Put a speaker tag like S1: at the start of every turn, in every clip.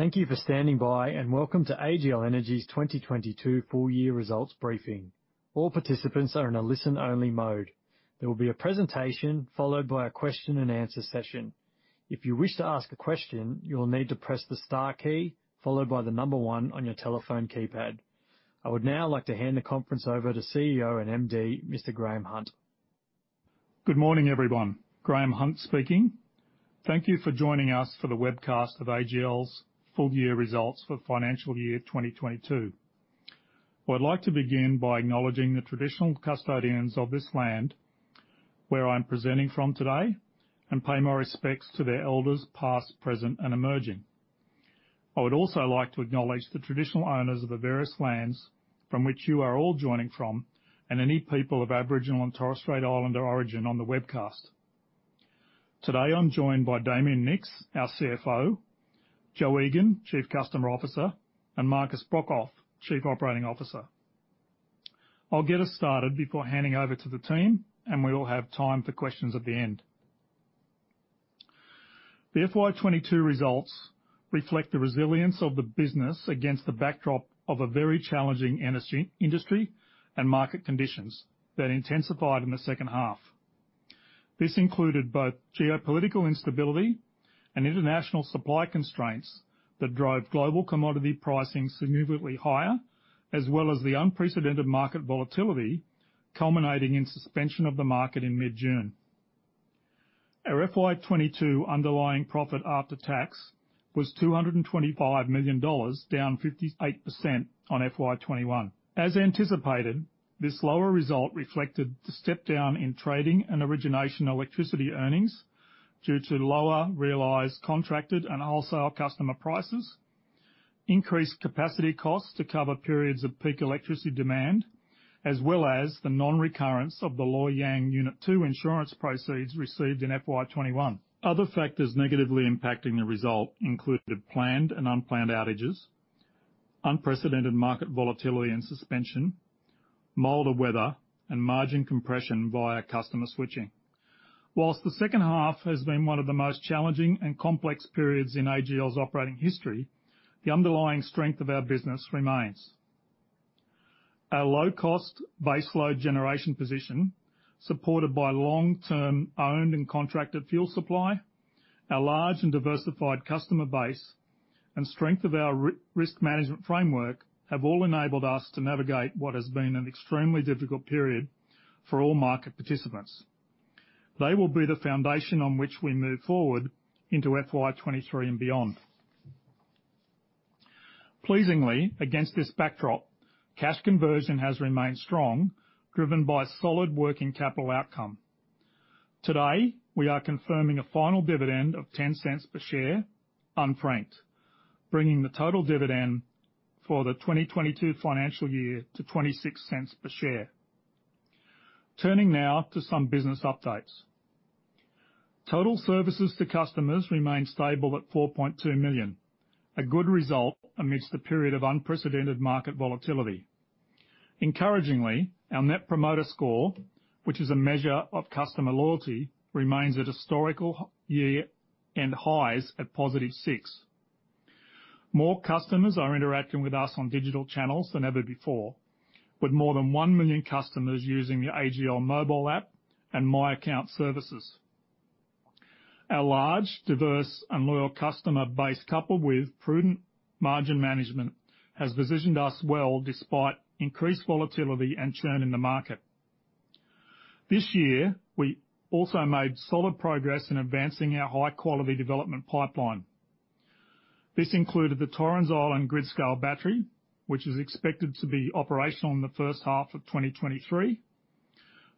S1: Thank you for standing by, and welcome to AGL Energy's 2022 Full Year Results Briefing. All participants are in a listen-only mode. There will be a presentation followed by a question-and-answer session. If you wish to ask a question, you will need to press the Star key followed by the number one on your telephone keypad. I would now like to hand the conference over to CEO and MD, Mr. Graeme Hunt.
S2: Good morning, everyone. Graeme Hunt speaking. Thank you for joining us for the webcast of AGL's full year results for financial year 2022. Well, I'd like to begin by acknowledging the traditional custodians of this land where I'm presenting from today and pay my respects to their elders past, present, and emerging. I would also like to acknowledge the traditional owners of the various lands from which you are all joining from and any people of Aboriginal and Torres Strait Islander origin on the webcast. Today, I'm joined by Damien Nicks, our CFO, Jo Egan, Chief Customer Officer, and Markus Brokhof, Chief Operating Officer. I'll get us started before handing over to the team, and we will have time for questions at the end. The FY 2022 results reflect the resilience of the business against the backdrop of a very challenging energy industry and market conditions that intensified in the second half. This included both geopolitical instability and international supply constraints that drove global commodity pricing significantly higher, as well as the unprecedented market volatility culminating in suspension of the market in mid-June. Our FY 2022 underlying profit after tax was 225 million dollars, down 58% on FY 2021. As anticipated, this lower result reflected the step-down in trading and origination electricity earnings due to lower realized contracted and wholesale customer prices, increased capacity costs to cover periods of peak electricity demand, as well as the nonrecurrence of the Loy Yang A Unit 2 insurance proceeds received in FY 2021. Other factors negatively impacting the result included planned and unplanned outages, unprecedented market volatility and suspension, milder weather, and margin compression via customer switching. While the second half has been one of the most challenging and complex periods in AGL's operating history, the underlying strength of our business remains. Our low-cost base load generation position, supported by long-term owned and contracted fuel supply, our large and diversified customer base, and strength of our risk management framework, have all enabled us to navigate what has been an extremely difficult period for all market participants. They will be the foundation on which we move forward into FY 2023 and beyond. Pleasingly, against this backdrop, cash conversion has remained strong, driven by solid working capital outcome. Today, we are confirming a final dividend of 0.10 per share unfranked, bringing the total dividend for the 2022 financial year to 0.26 per share. Turning now to some business updates. Total services to customers remain stable at 4.2 million, a good result amidst the period of unprecedented market volatility. Encouragingly, our net promoter score, which is a measure of customer loyalty, remains at historical year-end highs at +6. More customers are interacting with us on digital channels than ever before, with more than 1 million customers using the AGL mobile app and My Account services. Our large, diverse and loyal customer base, coupled with prudent margin management, has positioned us well despite increased volatility and churn in the market. This year, we also made solid progress in advancing our high-quality development pipeline. This included the Torrens Island grid-scale battery, which is expected to be operational in the first half of 2023,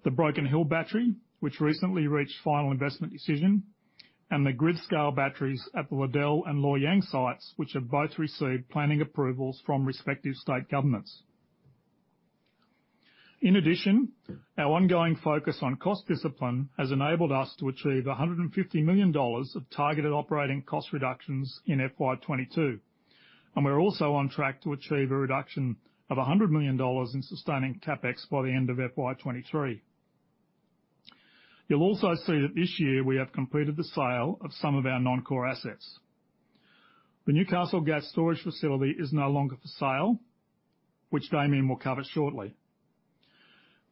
S2: the Broken Hill battery, which recently reached final investment decision, and the grid-scale batteries at the Liddell and Loy Yang sites, which have both received planning approvals from respective state governments. In addition, our ongoing focus on cost discipline has enabled us to achieve 150 million dollars of targeted operating cost reductions in FY 2022. We're also on track to achieve a reduction of 100 million dollars in sustaining CapEx by the end of FY 2023. You'll also see that this year we have completed the sale of some of our non-core assets. The Newcastle Gas Storage Facility is no longer for sale, which Damian will cover shortly.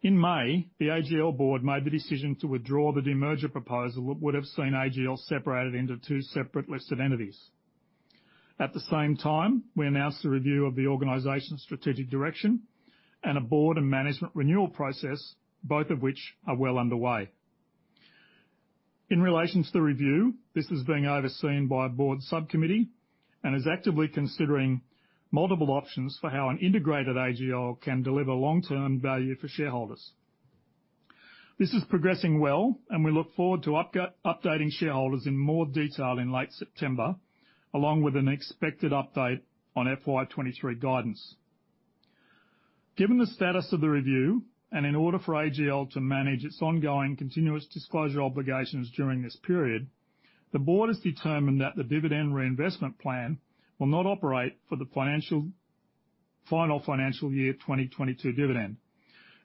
S2: In May, the AGL board made the decision to withdraw the demerger proposal that would have seen AGL separated into two separate listed entities. At the same time, we announced a review of the organization's strategic direction and a board and management renewal process, both of which are well underway. In relation to the review, this is being overseen by a board subcommittee and is actively considering multiple options for how an integrated AGL can deliver long-term value for shareholders. This is progressing well, and we look forward to updating shareholders in more detail in late September, along with an expected update on FY 2023 guidance. Given the status of the review, and in order for AGL to manage its ongoing continuous disclosure obligations during this period, the board has determined that the dividend reinvestment plan will not operate for the final financial year 2022 dividend.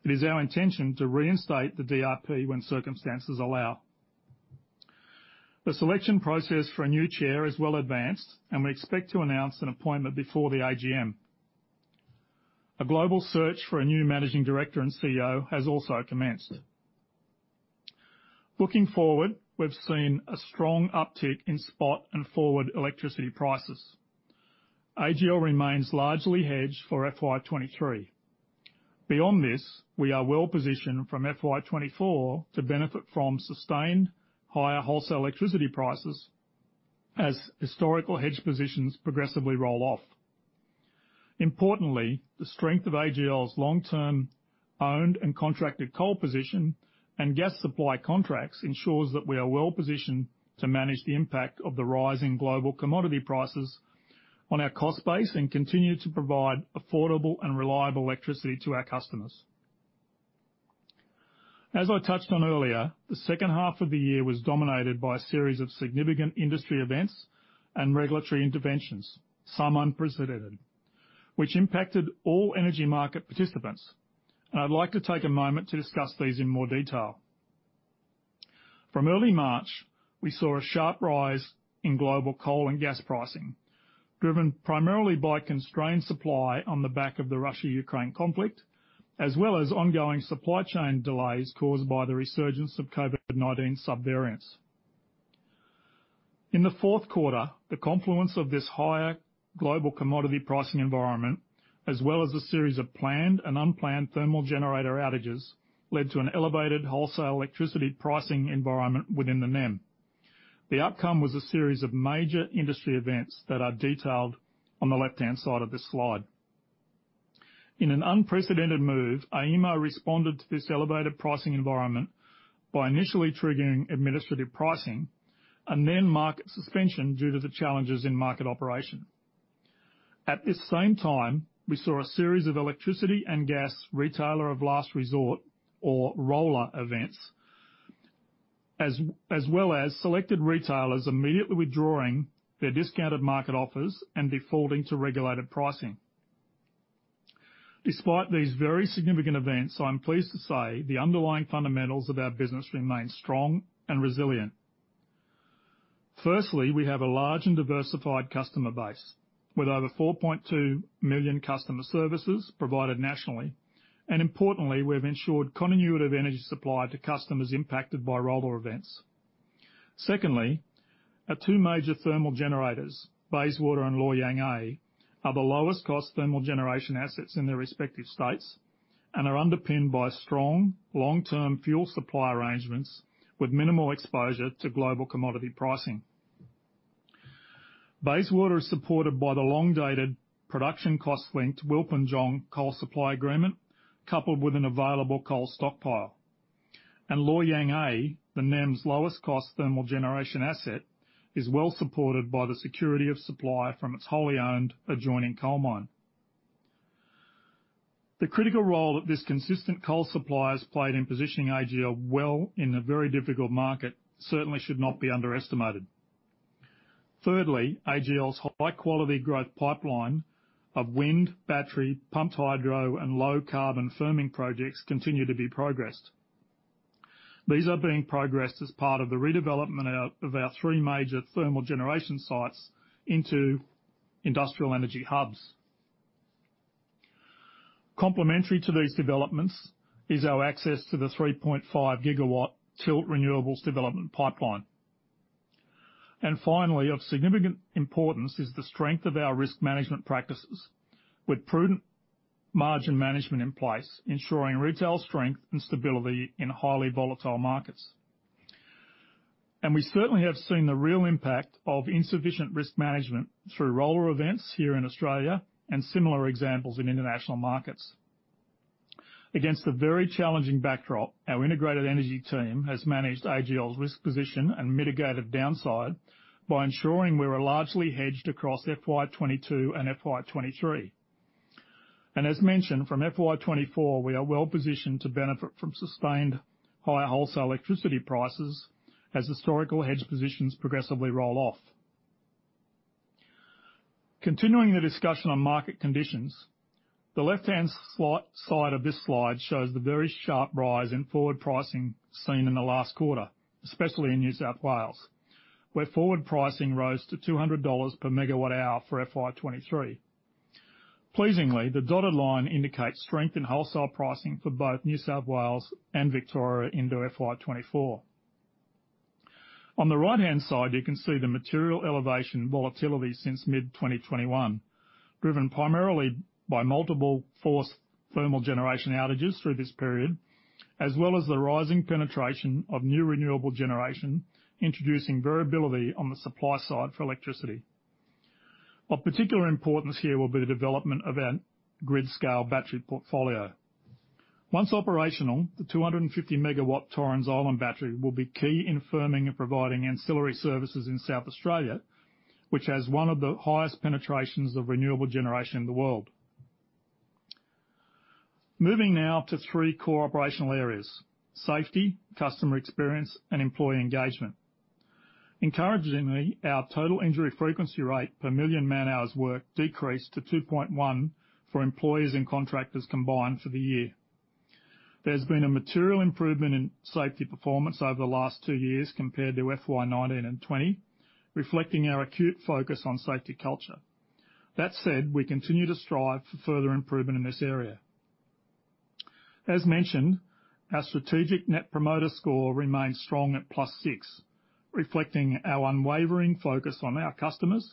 S2: It is our intention to reinstate the DRP when circumstances allow. The selection process for a new chair is well advanced, and we expect to announce an appointment before the AGM. A global search for a new managing director and CEO has also commenced. Looking forward, we've seen a strong uptick in spot and forward electricity prices. AGL remains largely hedged for FY 2023. Beyond this, we are well-positioned from FY 2024 to benefit from sustained higher wholesale electricity prices as historical hedge positions progressively roll off. Importantly, the strength of AGL's long-term owned and contracted coal position and gas supply contracts ensures that we are well-positioned to manage the impact of the rise in global commodity prices on our cost base and continue to provide affordable and reliable electricity to our customers. As I touched on earlier, the second half of the year was dominated by a series of significant industry events and regulatory interventions, some unprecedented, which impacted all energy market participants. I'd like to take a moment to discuss these in more detail. From early March, we saw a sharp rise in global coal and gas pricing, driven primarily by constrained supply on the back of the Russia-Ukraine conflict, as well as ongoing supply chain delays caused by the resurgence of COVID-19 subvariants. In the fourth quarter, the confluence of this higher global commodity pricing environment, as well as a series of planned and unplanned thermal generator outages, led to an elevated wholesale electricity pricing environment within the NEM. The outcome was a series of major industry events that are detailed on the left-hand side of this slide. In an unprecedented move, AEMO responded to this elevated pricing environment by initially triggering administrative pricing and then market suspension due to the challenges in market operation. At this same time, we saw a series of electricity and gas retailer of last resort or RoLR events, as well as selected retailers immediately withdrawing their discounted market offers and defaulting to regulated pricing. Despite these very significant events, I'm pleased to say the underlying fundamentals of our business remain strong and resilient. Firstly, we have a large and diversified customer base, with over 4.2 million customer services provided nationally, and importantly, we have ensured continuity of energy supply to customers impacted by RoLR events. Secondly, our two major thermal generators, Bayswater and Loy Yang A, are the lowest cost thermal generation assets in their respective states and are underpinned by strong long-term fuel supply arrangements with minimal exposure to global commodity pricing. Bayswater is supported by the long-dated production cost linked Wilpinjong coal supply agreement coupled with an available coal stockpile. Loy Yang A, the NEM's lowest cost thermal generation asset, is well supported by the security of supply from its wholly owned adjoining coal mine. The critical role that this consistent coal supply has played in positioning AGL well in a very difficult market certainly should not be underestimated. Thirdly, AGL's high-quality growth pipeline of wind, battery, pumped hydro, and low-carbon firming projects continue to be progressed. These are being progressed as part of the redevelopment of our three major thermal generation sites into industrial energy hubs. Complementary to these developments is our access to the 3.5 GW Tilt Renewables development pipeline. Finally, of significant importance is the strength of our risk management practices with prudent margin management in place, ensuring retail strength and stability in highly volatile markets. We certainly have seen the real impact of insufficient risk management through RoLR events here in Australia and similar examples in international markets. Against a very challenging backdrop, our integrated energy team has managed AGL's risk position and mitigated downside by ensuring we were largely hedged across FY 2022 and FY 2023. As mentioned from FY 2024, we are well-positioned to benefit from sustained higher wholesale electricity prices as historical hedge positions progressively roll off. Continuing the discussion on market conditions, the left-hand side of this slide shows the very sharp rise in forward pricing seen in the last quarter, especially in New South Wales, where forward pricing rose to 200 dollars per megawatt hour for FY 2023. Pleasingly, the dotted line indicates strength in wholesale pricing for both New South Wales and Victoria into FY 2024. On the right-hand side, you can see the materially elevated volatility since mid-2021, driven primarily by multiple forced thermal generation outages through this period, as well as the rising penetration of new renewable generation, introducing variability on the supply side for electricity. Of particular importance here will be the development of our grid-scale battery portfolio. Once operational, the 250 MW Torrens Island battery will be key in firming and providing ancillary services in South Australia, which has one of the highest penetrations of renewable generation in the world. Moving now to three core operational areas, safety, customer experience, and employee engagement. Encouragingly, our total injury frequency rate per million man-hours worked decreased to 2.1 for employees and contractors combined for the year. There's been a material improvement in safety performance over the last two years compared to FY 2019 and 2020, reflecting our acute focus on safety culture. That said, we continue to strive for further improvement in this area. As mentioned, our strategic net promoter score remains strong at +6, reflecting our unwavering focus on our customers,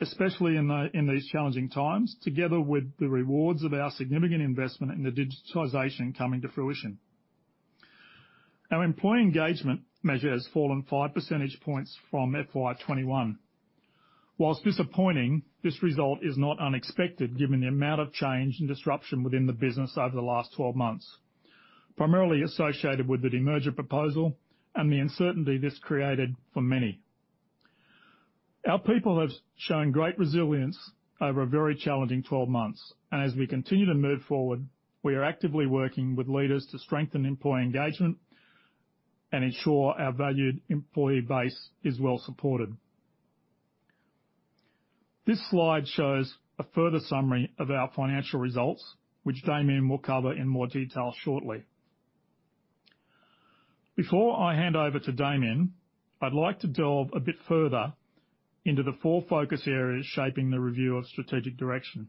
S2: especially in these challenging times, together with the rewards of our significant investment in the digitalization coming to fruition. Our employee engagement measure has fallen 5 percentage points from FY 2021. While disappointing, this result is not unexpected given the amount of change and disruption within the business over the last 12 months, primarily associated with the demerger proposal and the uncertainty this created for many. Our people have shown great resilience over a very challenging 12 months, and as we continue to move forward, we are actively working with leaders to strengthen employee engagement and ensure our valued employee base is well supported. This slide shows a further summary of our financial results, which Damien will cover in more detail shortly. Before I hand over to Damien, I'd like to delve a bit further into the four focus areas shaping the review of strategic direction.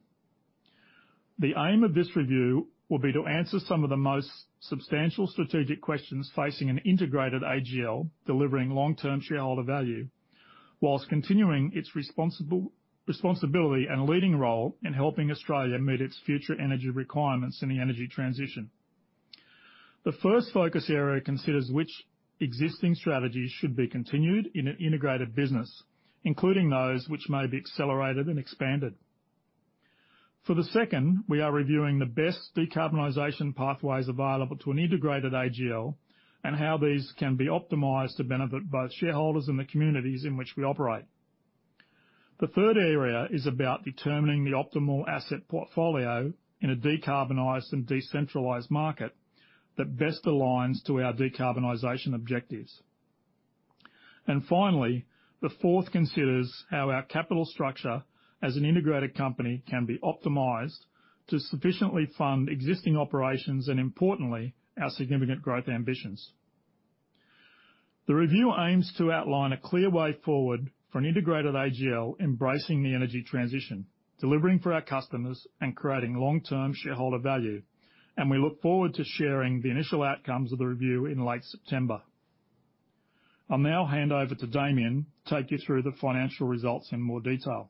S2: The aim of this review will be to answer some of the most substantial strategic questions facing an integrated AGL, delivering long-term shareholder value while continuing its responsibility and leading role in helping Australia meet its future energy requirements in the energy transition. The first focus area considers which existing strategies should be continued in an integrated business, including those which may be accelerated and expanded. For the second, we are reviewing the best decarbonization pathways available to an integrated AGL and how these can be optimized to benefit both shareholders and the communities in which we operate. The third area is about determining the optimal asset portfolio in a decarbonized and decentralized market that best aligns to our decarbonization objectives. Finally, the fourth considers how our capital structure as an integrated company can be optimized to sufficiently fund existing operations and, importantly, our significant growth ambitions. The review aims to outline a clear way forward for an integrated AGL embracing the energy transition, delivering for our customers, and creating long-term shareholder value, and we look forward to sharing the initial outcomes of the review in late September. I'll now hand over to Damien to take you through the financial results in more detail.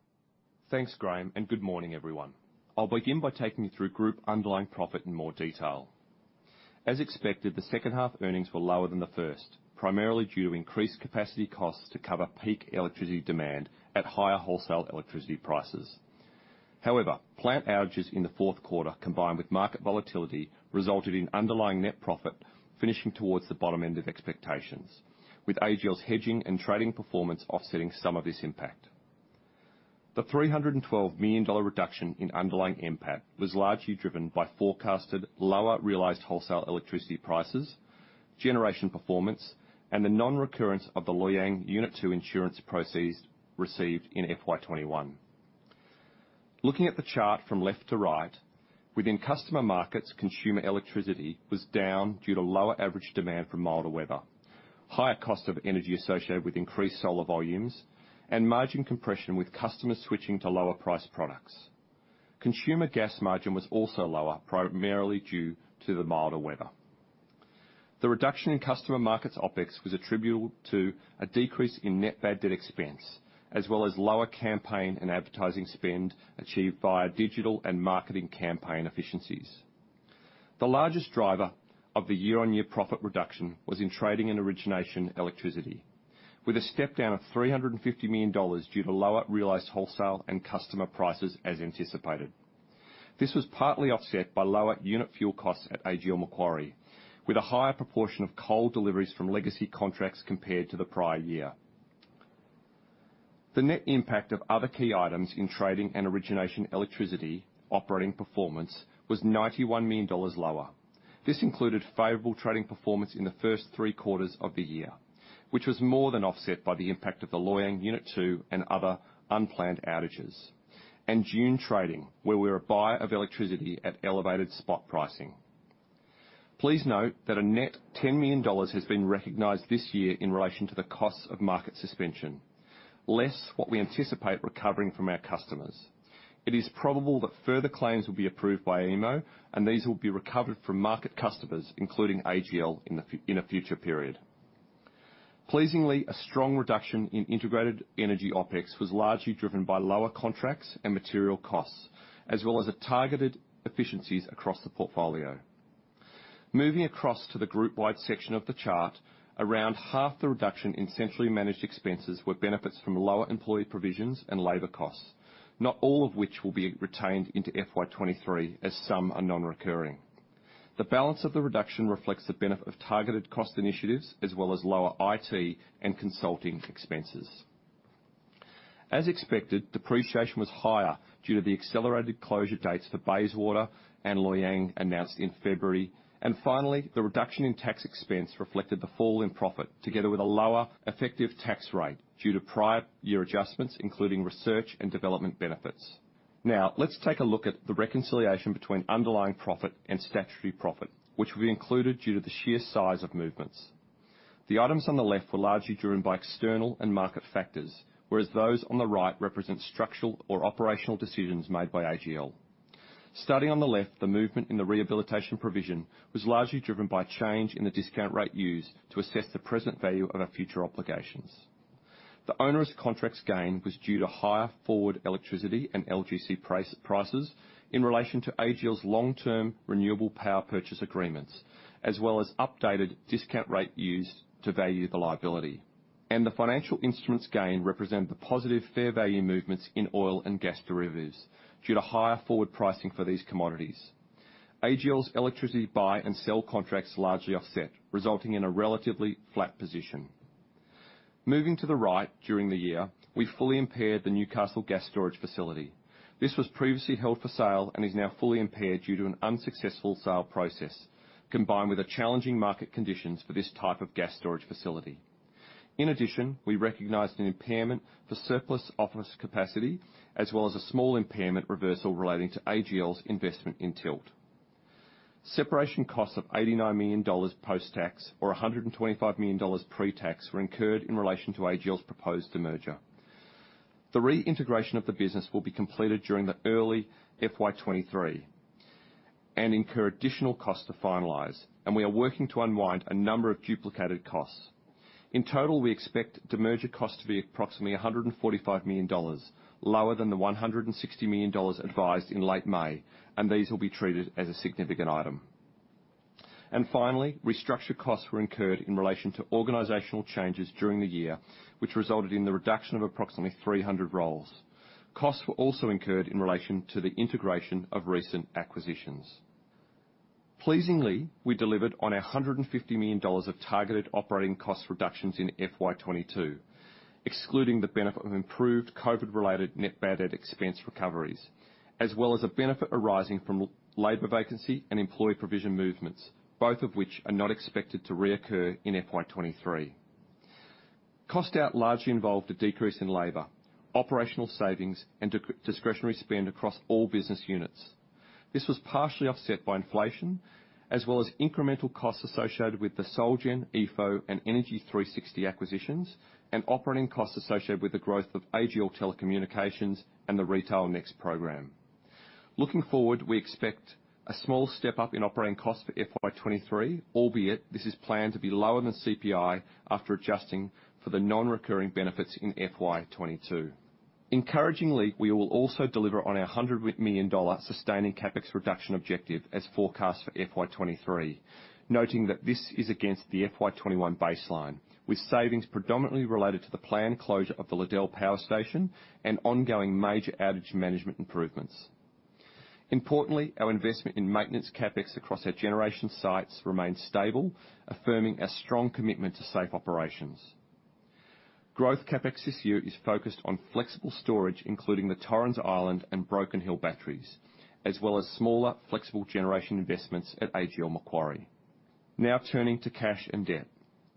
S3: Thanks, Graeme, and good morning, everyone. I'll begin by taking you through group underlying profit in more detail. As expected, the second half earnings were lower than the first, primarily due to increased capacity costs to cover peak electricity demand at higher wholesale electricity prices. However, plant outages in the fourth quarter, combined with market volatility, resulted in underlying net profit finishing towards the bottom end of expectations, with AGL's hedging and trading performance offsetting some of this impact. The 312 million dollar reduction in underlying NPAT was largely driven by forecasted lower realized wholesale electricity prices, generation performance, and the non-recurrence of the Loy Yang A Unit 2 insurance proceeds received in FY 2021. Looking at the chart from left to right, within customer markets, consumer electricity was down due to lower average demand from milder weather, higher cost of energy associated with increased solar volumes, and margin compression with customers switching to lower priced products. Consumer gas margin was also lower, primarily due to the milder weather. The reduction in customer markets OpEx was attributable to a decrease in net bad debt expense, as well as lower campaign and advertising spend achieved via digital and marketing campaign efficiencies. The largest driver of the year-on-year profit reduction was in trading and origination electricity, with a step-down of 350 million dollars due to lower realized wholesale and customer prices as anticipated. This was partly offset by lower unit fuel costs at AGL Macquarie, with a higher proportion of coal deliveries from legacy contracts compared to the prior year. The net impact of other key items in trading and origination electricity operating performance was 91 million dollars lower. This included favorable trading performance in the first three quarters of the year, which was more than offset by the impact of the Loy Yang A Unit 2 and other unplanned outages and June trading, where we were a buyer of electricity at elevated spot pricing. Please note that a net 10 million dollars has been recognized this year in relation to the cost of market suspension, less what we anticipate recovering from our customers. It is probable that further claims will be approved by AEMO and these will be recovered from market customers, including AGL in a future period. Pleasingly, a strong reduction in integrated energy OpEx was largely driven by lower contracts and material costs, as well as targeted efficiencies across the portfolio. Moving across to the group-wide section of the chart, around half the reduction in centrally managed expenses were benefits from lower employee provisions and labor costs, not all of which will be retained into FY 2023, as some are non-recurring. The balance of the reduction reflects the benefit of targeted cost initiatives as well as lower IT and consulting expenses. As expected, depreciation was higher due to the accelerated closure dates for Bayswater and Loy Yang announced in February. Finally, the reduction in tax expense reflected the fall in profit together with a lower effective tax rate due to prior year adjustments, including research and development benefits. Now, let's take a look at the reconciliation between underlying profit and statutory profit, which will be included due to the sheer size of movements. The items on the left were largely driven by external and market factors, whereas those on the right represent structural or operational decisions made by AGL. Starting on the left, the movement in the rehabilitation provision was largely driven by change in the discount rate used to assess the present value of our future obligations. The owner's contracts gain was due to higher forward electricity and LGC prices in relation to AGL's long-term renewable power purchase agreements, as well as updated discount rate used to value the liability. The financial instruments gain represent the positive fair value movements in oil and gas derivatives due to higher forward pricing for these commodities. AGL's electricity buy and sell contracts largely offset, resulting in a relatively flat position. Moving to the right, during the year, we fully impaired the Newcastle Gas Storage Facility. This was previously held for sale and is now fully impaired due to an unsuccessful sale process, combined with a challenging market conditions for this type of gas storage facility. In addition, we recognized an impairment for surplus office capacity, as well as a small impairment reversal relating to AGL's investment in Tilt. Separation costs of 89 million dollars post-tax, or 125 million dollars pre-tax, were incurred in relation to AGL's proposed demerger. The reintegration of the business will be completed during the early FY 2023 and incur additional costs to finalize, and we are working to unwind a number of duplicated costs. In total, we expect demerger costs to be approximately 145 million dollars, lower than the 160 million dollars advised in late May, and these will be treated as a significant item. Finally, restructuring costs were incurred in relation to organizational changes during the year, which resulted in the reduction of approximately 300 roles. Costs were also incurred in relation to the integration of recent acquisitions. Pleasingly, we delivered on 150 million dollars of targeted operating cost reductions in FY 2022, excluding the benefit of improved COVID-19-related net bad debt expense recoveries, as well as a benefit arising from labor vacancy and employee provision movements, both of which are not expected to reoccur in FY 2023. Cost out largely involved a decrease in labor, operational savings, and discretionary spend across all business units. This was partially offset by inflation, as well as incremental costs associated with the Solgen, Epho, and Energy360 acquisitions, and operating costs associated with the growth of AGL Telecommunications and the Retail Next program. Looking forward, we expect a small step-up in operating costs for FY 2023, albeit this is planned to be lower than CPI after adjusting for the non-recurring benefits in FY 2022. Encouragingly, we will also deliver on our 100 million dollar sustaining CapEx reduction objective as forecast for FY 2023. Noting that this is against the FY 2021 baseline, with savings predominantly related to the planned closure of the Liddell Power Station and ongoing major outage management improvements. Importantly, our investment in maintenance CapEx across our generation sites remains stable, affirming our strong commitment to safe operations. Growth CapEx this year is focused on flexible storage, including the Torrens Island and Broken Hill batteries, as well as smaller flexible generation investments at AGL Macquarie. Now turning to cash and debt.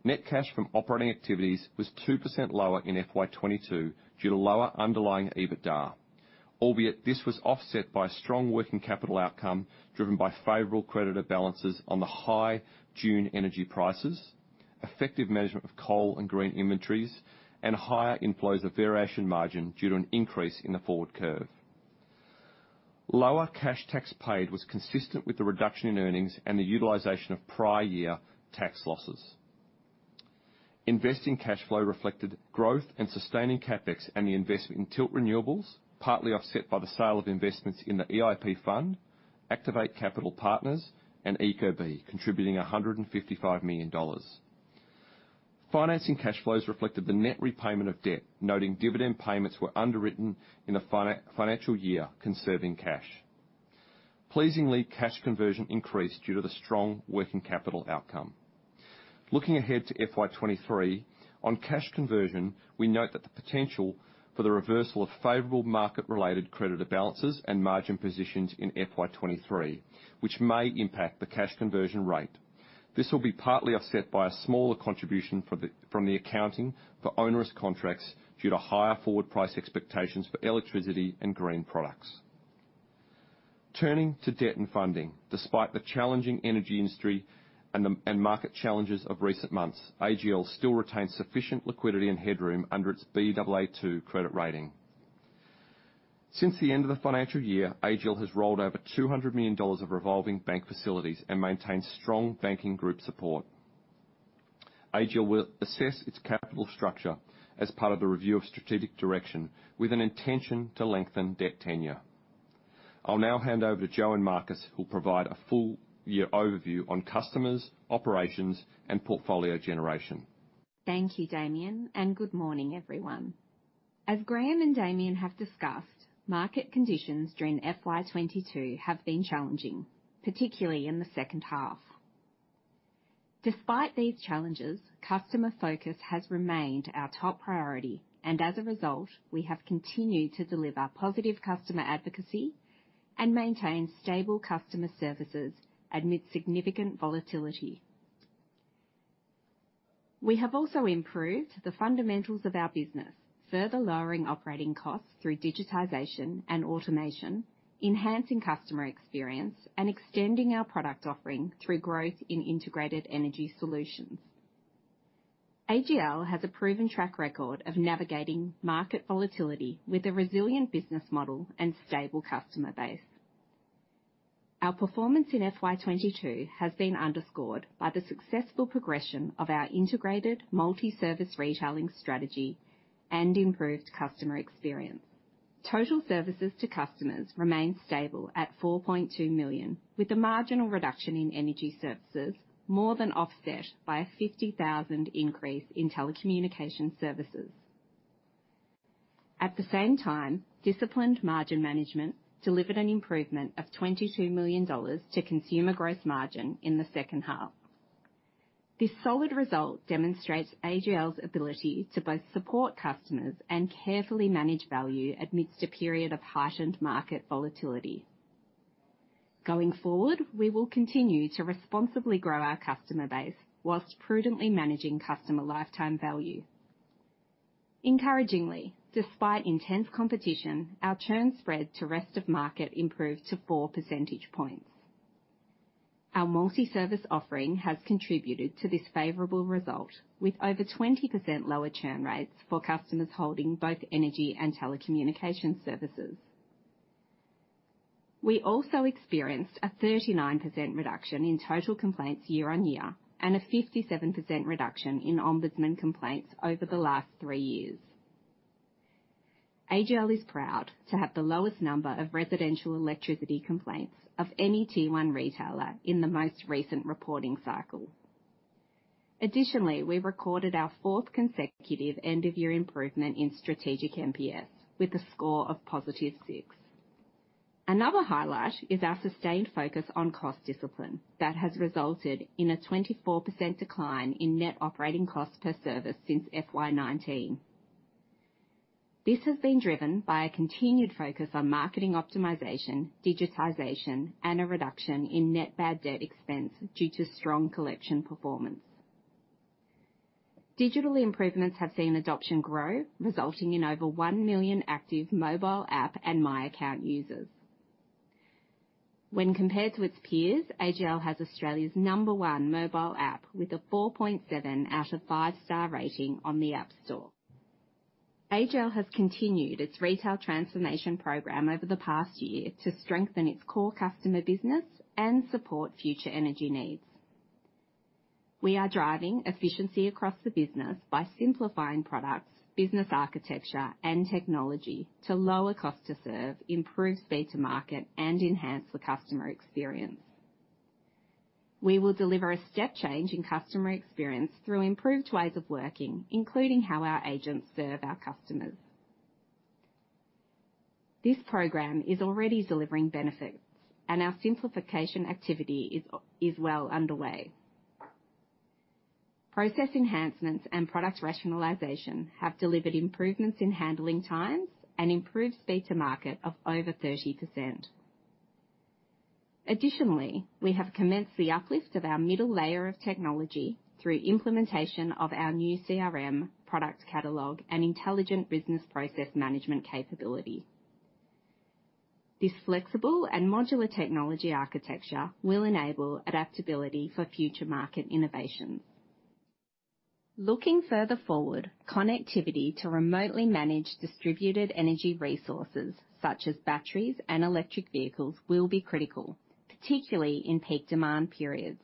S3: Net cash from operating activities was 2% lower in FY 2022 due to lower underlying EBITDA, albeit this was offset by strong working capital outcome driven by favorable creditor balances on the high June energy prices, effective management of coal and green inventories, and higher inflows of variation margin due to an increase in the forward curve. Lower cash tax paid was consistent with the reduction in earnings and the utilization of prior year tax losses. Investing cash flow reflected growth in sustaining CapEx and the investment in Tilt Renewables, partly offset by the sale of investments in the EIP fund, Activate Capital Partners, and ecobee, contributing 155 million dollars. Financing cash flows reflected the net repayment of debt, noting dividend payments were underwritten in the financial year, conserving cash. Pleasingly, cash conversion increased due to the strong working capital outcome. Looking ahead to FY 2023, on cash conversion, we note that the potential for the reversal of favorable market-related creditor balances and margin positions in FY 2023, which may impact the cash conversion rate. This will be partly offset by a smaller contribution from the accounting for onerous contracts due to higher forward price expectations for electricity and green products. Turning to debt and funding, despite the challenging energy industry and market challenges of recent months, AGL still retains sufficient liquidity and headroom under its Baa2 credit rating. Since the end of the financial year, AGL has rolled over 200 million dollars of revolving bank facilities and maintains strong banking group support. AGL will assess its capital structure as part of the review of strategic direction with an intention to lengthen debt tenure. I'll now hand over to Jo and Markus, who'll provide a full year overview on customers, operations, and portfolio generation.
S4: Thank you, Damien, and good morning, everyone. As Graeme and Damien have discussed, market conditions during FY 2022 have been challenging, particularly in the second half. Despite these challenges, customer focus has remained our top priority, and as a result, we have continued to deliver positive customer advocacy and maintain stable customer services amid significant volatility. We have also improved the fundamentals of our business, further lowering operating costs through digitization and automation, enhancing customer experience, and extending our product offering through growth in integrated energy solutions. AGL has a proven track record of navigating market volatility with a resilient business model and stable customer base. Our performance in FY 2022 has been underscored by the successful progression of our integrated multi-service retailing strategy and improved customer experience. Total services to customers remain stable at 4.2 million, with a marginal reduction in energy services more than offset by a 50,000 increase in telecommunication services. At the same time, disciplined margin management delivered an improvement of 22 million dollars to consumer gross margin in the second half. This solid result demonstrates AGL's ability to both support customers and carefully manage value amidst a period of heightened market volatility. Going forward, we will continue to responsibly grow our customer base while prudently managing customer lifetime value. Encouragingly, despite intense competition, our churn spread to rest of market improved to 4 percentage points. Our multi-service offering has contributed to this favorable result, with over 20% lower churn rates for customers holding both energy and telecommunication services. We also experienced a 39% reduction in total complaints year-on-year, and a 57% reduction in ombudsman complaints over the last three years. AGL is proud to have the lowest number of residential electricity complaints of any tier one retailer in the most recent reporting cycle. Additionally, we recorded our fourth consecutive end-of-year improvement in strategic NPS with a score of +6. Another highlight is our sustained focus on cost discipline that has resulted in a 24% decline in net operating costs per service since FY 2019. This has been driven by a continued focus on marketing optimization, digitization, and a reduction in net bad debt expense due to strong collection performance. Digital improvements have seen adoption grow, resulting in over 1 million active mobile app and my account users. When compared to its peers, AGL has Australia's number one mobile app with a 4.7/5 star rating on the App Store. AGL has continued its retail transformation program over the past year to strengthen its core customer business and support future energy needs. We are driving efficiency across the business by simplifying products, business architecture, and technology to lower cost to serve, improve speed to market, and enhance the customer experience. We will deliver a step change in customer experience through improved ways of working, including how our agents serve our customers. This program is already delivering benefits and our simplification activity is well underway. Process enhancements and product rationalization have delivered improvements in handling times and improved speed to market of over 30%. Additionally, we have commenced the uplift of our middle layer of technology through implementation of our new CRM product catalog and intelligent business process management capability. This flexible and modular technology architecture will enable adaptability for future market innovations. Looking further forward, connectivity to remotely manage distributed energy resources such as batteries and electric vehicles will be critical, particularly in peak demand periods.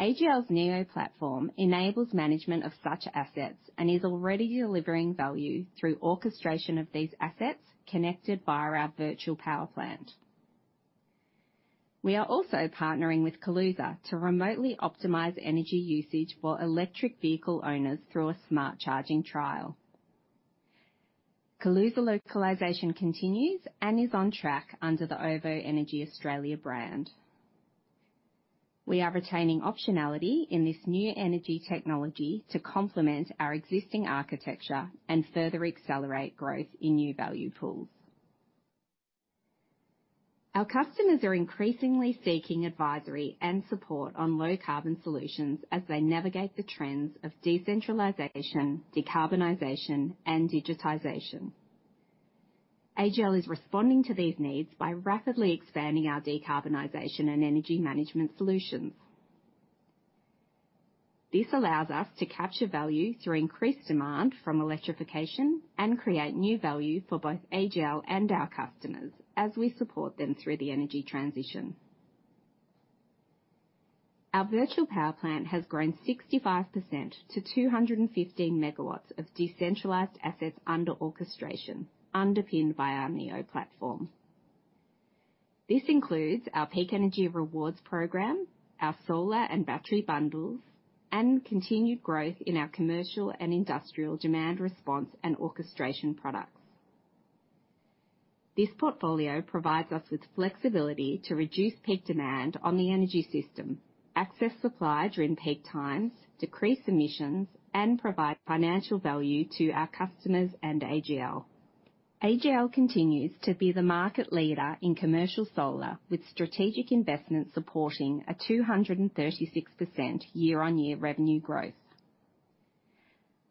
S4: AGL's NEO platform enables management of such assets and is already delivering value through orchestration of these assets connected via our virtual power plant. We are also partnering with Kaluza to remotely optimize energy usage for electric vehicle owners through a smart charging trial. Kaluza localization continues and is on track under the OVO Energy Australia brand. We are retaining optionality in this new energy technology to complement our existing architecture and further accelerate growth in new value pools. Our customers are increasingly seeking advisory and support on low carbon solutions as they navigate the trends of decentralization, decarbonization, and digitization. AGL is responding to these needs by rapidly expanding our decarbonization and energy management solutions. This allows us to capture value through increased demand from electrification and create new value for both AGL and our customers as we support them through the energy transition. Our virtual power plant has grown 65% to 215 MW of decentralized assets under orchestration, underpinned by our NEO platform. This includes our Peak Energy Rewards program, our solar and battery bundles, and continued growth in our commercial and industrial demand response and orchestration products. This portfolio provides us with flexibility to reduce peak demand on the energy system, access supply during peak times, decrease emissions, and provide financial value to our customers and AGL. AGL continues to be the market leader in commercial solar, with strategic investments supporting a 236% year-on-year revenue growth.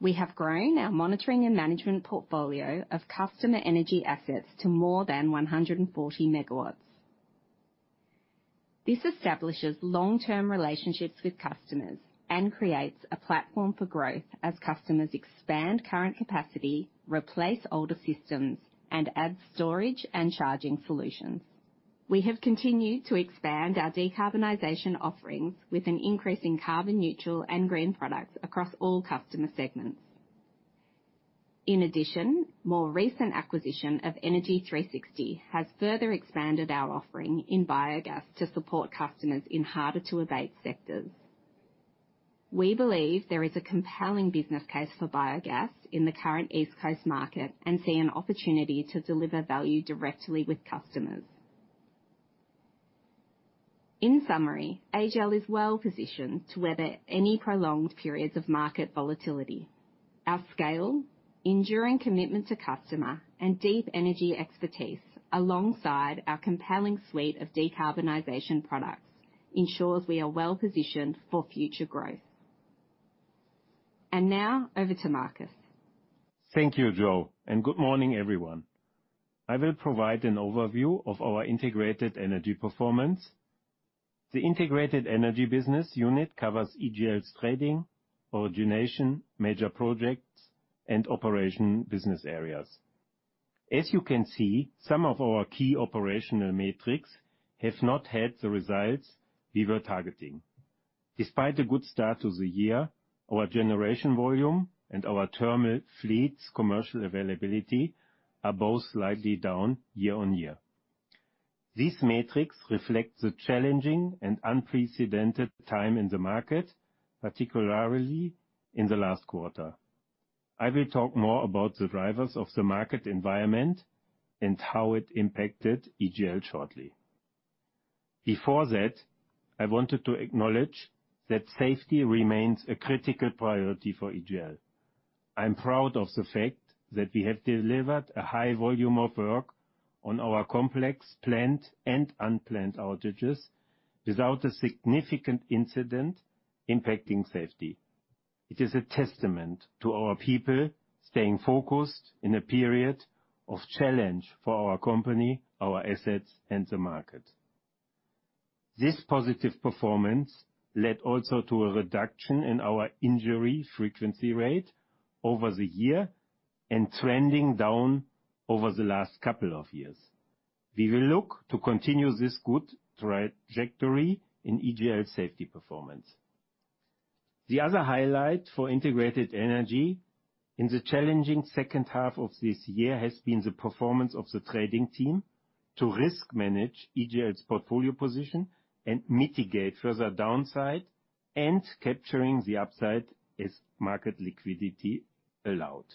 S4: We have grown our monitoring and management portfolio of customer energy assets to more than 140 MW. This establishes long-term relationships with customers and creates a platform for growth as customers expand current capacity, replace older systems, and add storage and charging solutions. We have continued to expand our decarbonization offerings with an increase in carbon neutral and green products across all customer segments. In addition, more recent acquisition of Energy360 has further expanded our offering in biogas to support customers in harder to abate sectors. We believe there is a compelling business case for biogas in the current East Coast market and see an opportunity to deliver value directly with customers. In summary, AGL is well-positioned to weather any prolonged periods of market volatility. Our scale, enduring commitment to customer, and deep energy expertise, alongside our compelling suite of decarbonization products, ensures we are well-positioned for future growth. Now over to Markus.
S5: Thank you, Jo, and good morning, everyone. I will provide an overview of our integrated energy performance. The integrated energy business unit covers AGL's trading, origination, major projects, and operation business areas. As you can see, some of our key operational metrics have not had the results we were targeting. Despite the good start to the year, our generation volume and our thermal fleet's commercial availability are both slightly down year-on-year. These metrics reflect the challenging and unprecedented time in the market, particularly in the last quarter. I will talk more about the drivers of the market environment and how it impacted AGL shortly. Before that, I wanted to acknowledge that safety remains a critical priority for AGL. I'm proud of the fact that we have delivered a high volume of work on our complex plant and unplanned outages without a significant incident impacting safety. It is a testament to our people staying focused in a period of challenge for our company, our assets, and the market. This positive performance led also to a reduction in our injury frequency rate over the year and trending down over the last couple of years. We will look to continue this good trajectory in AGL's safety performance. The other highlight for integrated energy in the challenging second half of this year has been the performance of the trading team to risk manage AGL's portfolio position and mitigate further downside and capturing the upside as market liquidity allowed.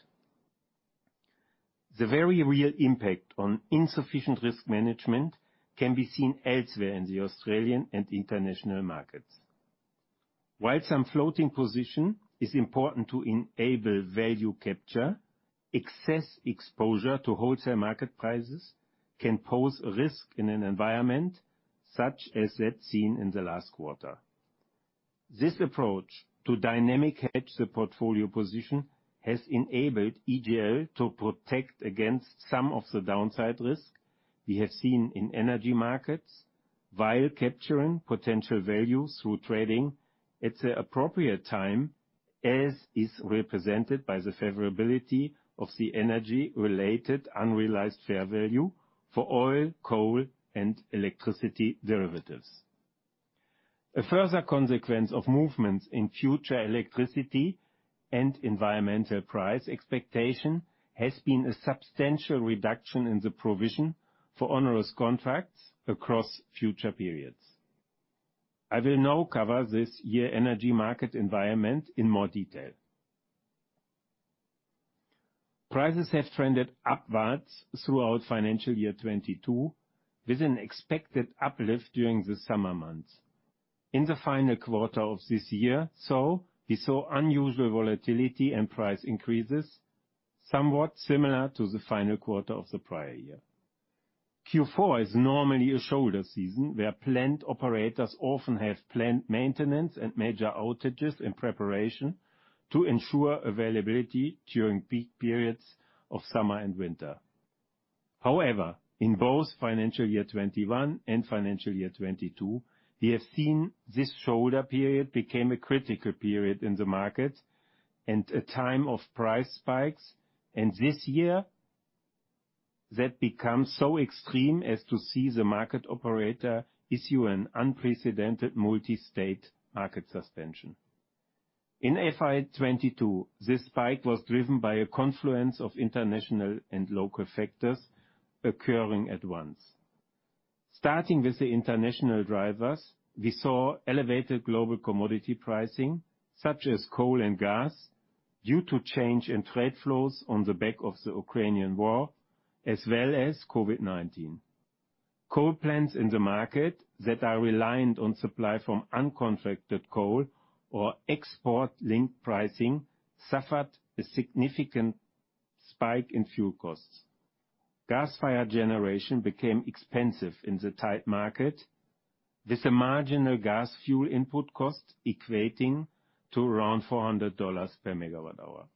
S5: The very real impact on insufficient risk management can be seen elsewhere in the Australian and international markets. While some floating position is important to enable value capture, excess exposure to wholesale market prices can pose a risk in an environment such as that seen in the last quarter. This approach to dynamically hedge the portfolio position has enabled AGL to protect against some of the downside risk we have seen in energy markets, while capturing potential value through trading at the appropriate time, as is represented by the favorability of the energy-related unrealized fair value for oil, coal, and electricity derivatives. A further consequence of movements in future electricity and environmental price expectation has been a substantial reduction in the provision for onerous contracts across future periods. I will now cover this year energy market environment in more detail. Prices have trended upwards throughout financial year 2022, with an expected uplift during the summer months. In the final quarter of this year, we saw unusual volatility and price increases, somewhat similar to the final quarter of the prior year. Q4 is normally a shoulder season where plant operators often have plant maintenance and major outages in preparation to ensure availability during peak periods of summer and winter. However, in both financial year 2021 and financial year 2022, we have seen this shoulder period became a critical period in the market and a time of price spikes. This year, that becomes so extreme as to see the market operator issue an unprecedented multi-state market suspension. In FY 2022, this spike was driven by a confluence of international and local factors occurring at once. Starting with the international drivers, we saw elevated global commodity pricing, such as coal and gas, due to change in trade flows on the back of the Ukrainian war, as well as COVID-19. Coal plants in the market that are reliant on supply from uncontracted coal or export-linked pricing suffered a significant spike in fuel costs. Gas-fired generation became expensive in the tight market, with the marginal gas fuel input costs equating to around 400 dollars per megawatt hour.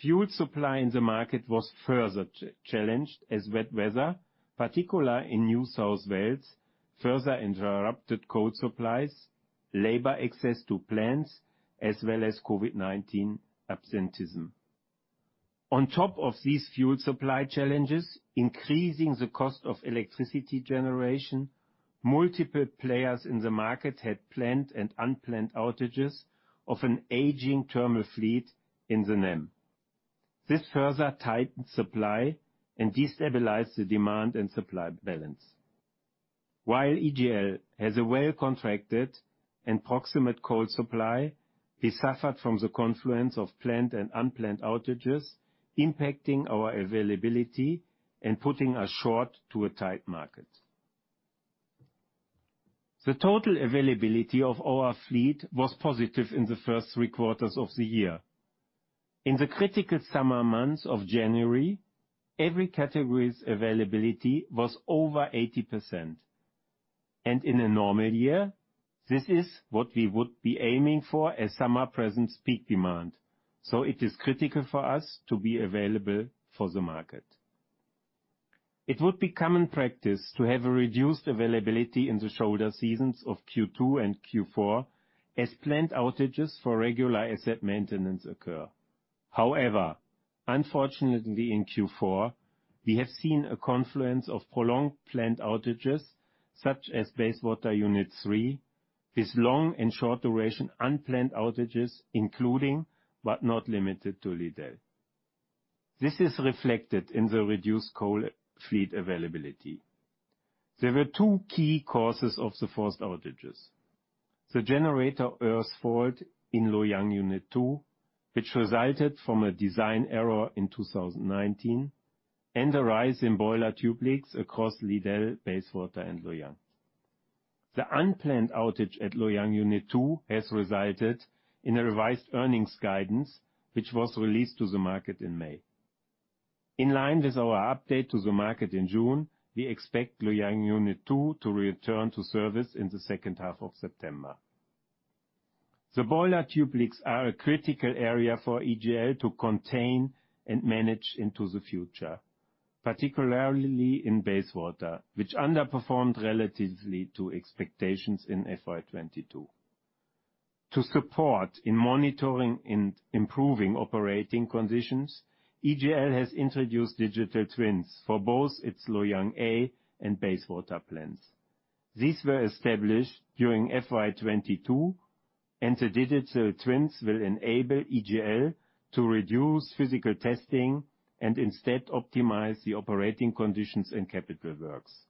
S5: Fuel supply in the market was further challenged as wet weather, particularly in New South Wales, further interrupted coal supplies, labor access to plants, as well as COVID-19 absenteeism. On top of these fuel supply challenges, increasing the cost of electricity generation, multiple players in the market had planned and unplanned outages of an aging thermal fleet in the NEM. This further tightened supply and destabilized the demand and supply balance. While AGL has a well-contracted and proximate coal supply, we suffered from the confluence of planned and unplanned outages impacting our availability and putting us short to a tight market. The total availability of our fleet was positive in the first three quarters of the year. In the critical summer months of January, every category's availability was over 80%. In a normal year, this is what we would be aiming for as summer presents peak demand, so it is critical for us to be available for the market. It would be common practice to have a reduced availability in the shoulder seasons of Q2 and Q4 as plant outages for regular asset maintenance occur. However, unfortunately in Q4, we have seen a confluence of prolonged plant outages, such as Bayswater Unit 3, with long and short duration unplanned outages, including but not limited to Liddell. This is reflected in the reduced coal fleet availability. There were two key causes of the forced outages, the generator earth fault in Loy Yang A Unit 2, which resulted from a design error in 2019, and the rise in boiler tube leaks across Liddell, Bayswater and Loy Yang. The unplanned outage at Loy Yang A Unit 2 has resulted in a revised earnings guidance, which was released to the market in May. In line with our update to the market in June, we expect Loy Yang A Unit 2 to return to service in the second half of September. The boiler tube leaks are a critical area for AGL to contain and manage into the future, particularly in Bayswater, which underperformed relatively to expectations in FY 2022. To support in monitoring and improving operating conditions, AGL has introduced digital twins for both its Loy Yang A and Bayswater plants. These were established during FY 2022, and the digital twins will enable AGL to reduce physical testing and instead optimize the operating conditions and capital works.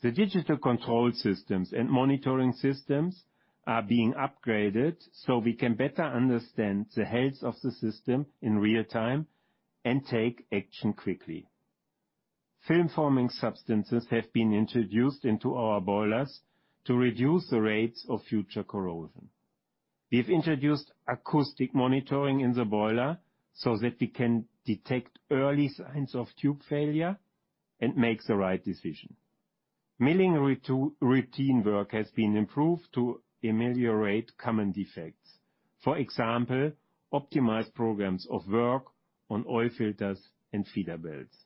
S5: The digital control systems and monitoring systems are being upgraded so we can better understand the health of the system in real time and take action quickly. Film-forming substances have been introduced into our boilers to reduce the rates of future corrosion. We've introduced acoustic monitoring in the boiler so that we can detect early signs of tube failure and make the right decision. Milling routine work has been improved to ameliorate common defects. For example, optimized programs of work on oil filters and feeder belts.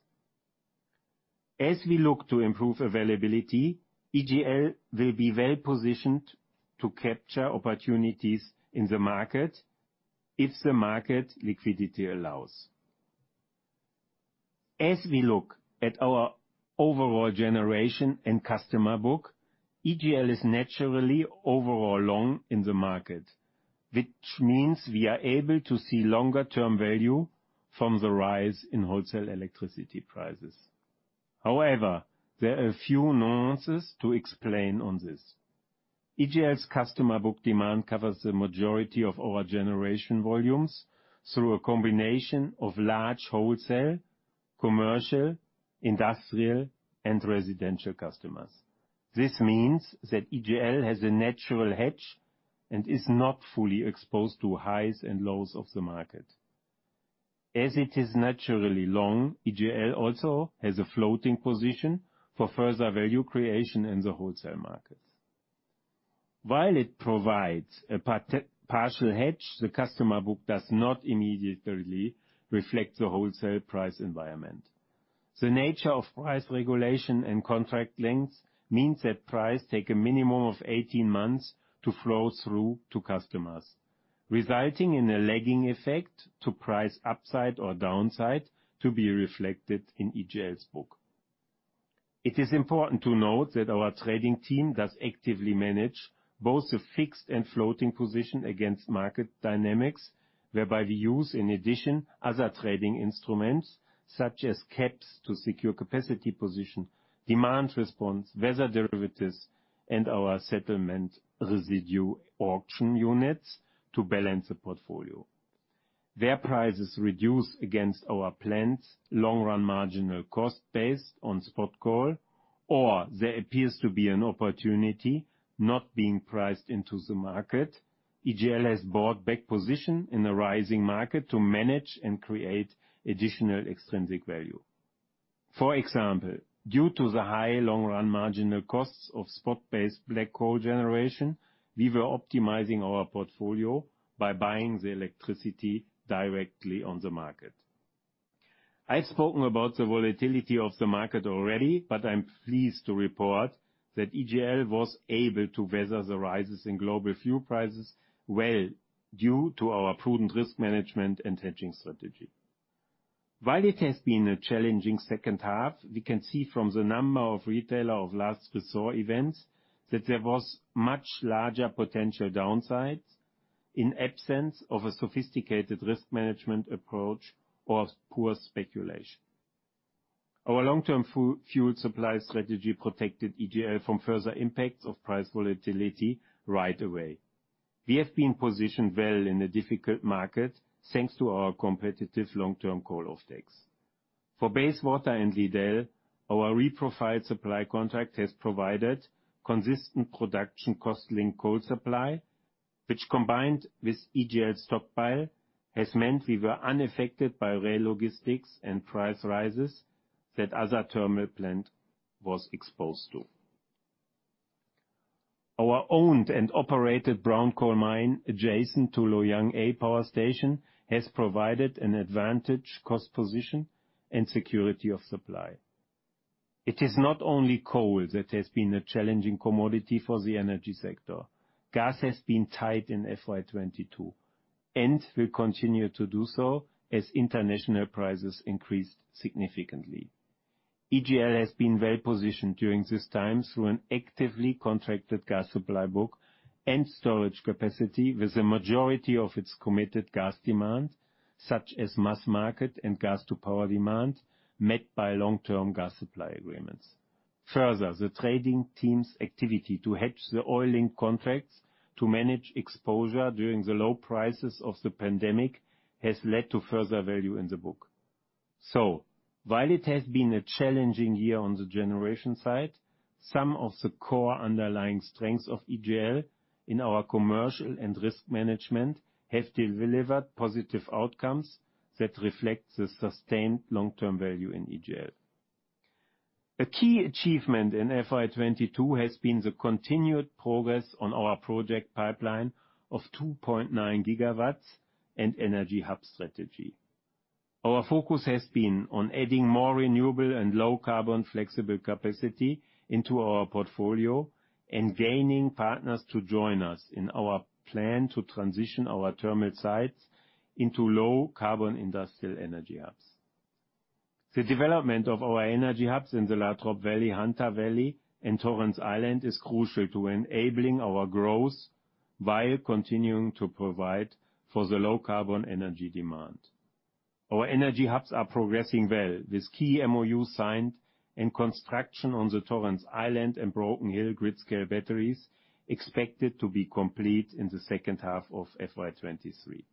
S5: As we look to improve availability, AGL will be well-positioned to capture opportunities in the market if the market liquidity allows. As we look at our overall generation and customer book, AGL is naturally overall long in the market, which means we are able to see longer-term value from the rise in wholesale electricity prices. However, there are a few nuances to explain on this. AGL's customer book demand covers the majority of our generation volumes through a combination of large wholesale, commercial, industrial, and residential customers. This means that AGL has a natural hedge and is not fully exposed to highs and lows of the market. As it is naturally long, AGL also has a floating position for further value creation in the wholesale market. While it provides a partial hedge, the customer book does not immediately reflect the wholesale price environment. The nature of price regulation and contract lengths means that prices take a minimum of 18 months to flow through to customers, resulting in a lagging effect to price upside or downside to be reflected in AGL's book. It is important to note that our trading team does actively manage both the fixed and floating position against market dynamics, whereby we use, in addition, other trading instruments, such as caps to secure capacity position, demand response, weather derivatives, and our settlement residue auction units to balance the portfolio. Their price is reduced against our plans, long-run marginal cost based on spot coal, or there appears to be an opportunity not being priced into the market. AGL has bought back position in the rising market to manage and create additional extrinsic value. For example, due to the high long run marginal costs of spot-based black coal generation, we were optimizing our portfolio by buying the electricity directly on the market. I've spoken about the volatility of the market already, but I'm pleased to report that AGL was able to weather the rises in global fuel prices well due to our prudent risk management and hedging strategy. While it has been a challenging second half, we can see from the number of Retailer of Last Resort events that there was much larger potential downsides in absence of a sophisticated risk management approach or poor speculation. Our long-term fuel supply strategy protected AGL from further impacts of price volatility right away. We have been positioned well in a difficult market, thanks to our competitive long-term coal off-takes. For Bayswater and Liddell, our reprofiled supply contract has provided consistent production cost link coal supply, which combined with AGL stockpile, has meant we were unaffected by rail logistics and price rises that other thermal plant was exposed to. Our owned and operated brown coal mine adjacent to Loy Yang A power station has provided an advantaged cost position and security of supply. It is not only coal that has been a challenging commodity for the energy sector. Gas has been tight in FY 2022 and will continue to do so as international prices increased significantly. AGL has been well-positioned during this time through an actively contracted gas supply book and storage capacity with the majority of its committed gas demand, such as mass market and gas to power demand, met by long-term gas supply agreements. Further, the trading team's activity to hedge the oil link contracts to manage exposure during the low prices of the pandemic has led to further value in the book. While it has been a challenging year on the generation side, some of the core underlying strengths of AGL in our commercial and risk management have delivered positive outcomes that reflect the sustained long-term value in AGL. A key achievement in FY 2022 has been the continued progress on our project pipeline of 2.9 GW and energy hub strategy. Our focus has been on adding more renewable and low carbon flexible capacity into our portfolio and gaining partners to join us in our plan to transition our thermal sites into low carbon industrial energy hubs. The development of our energy hubs in the Latrobe Valley, Hunter Valley and Torrens Island is crucial to enabling our growth while continuing to provide for the low carbon energy demand. Our energy hubs are progressing well, with key MOUs signed and construction on the Torrens Island and Broken Hill grid scale batteries expected to be complete in the second half of FY 2023.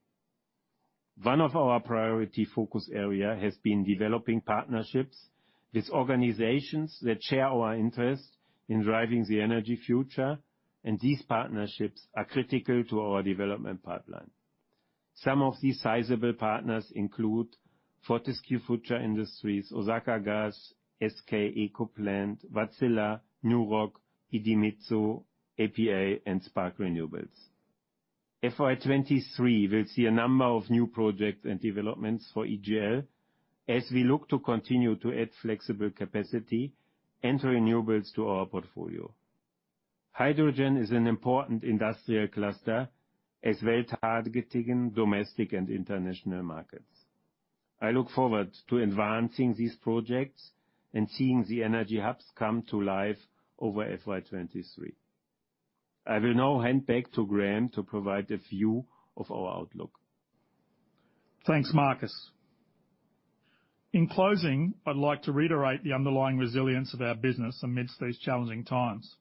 S5: One of our priority focus area has been developing partnerships with organizations that share our interest in driving the energy future, and these partnerships are critical to our development pipeline. Some of these sizable partners include Fortescue Future Industries, Osaka Gas, SK ecoplant, Vattenfall, NuRock, Idemitsu Kosan, APA Group, and Spark Renewables. FY 2023 will see a number of new projects and developments for AGL as we look to continue to add flexible capacity and renewables to our portfolio. Hydrogen is an important industrial cluster as well targeted in domestic and international markets. I look forward to advancing these projects and seeing the energy hubs come to life over FY 2023. I will now hand back to Graeme to provide a view of our outlook.
S2: Thanks, Markus. In closing, I'd like to reiterate the underlying resilience of our business amidst these challenging times.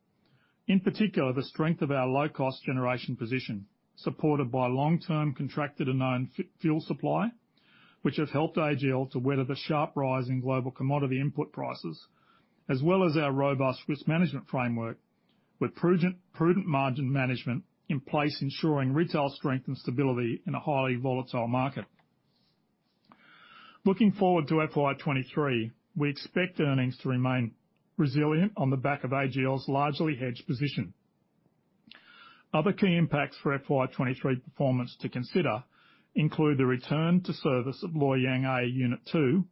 S2: In particular, the strength of our low cost generation position, supported by long-term contracted and owned fuel supply, which has helped AGL to weather the sharp rise in global commodity input prices, as well as our robust risk management framework, with prudent margin management in place, ensuring retail strength and stability in a highly volatile market. Looking forward to FY 2023, we expect earnings to remain resilient on the back of AGL's largely hedged position. Other key impacts for FY 2023 performance to consider include the return to service of Loy Yang A Unit 2,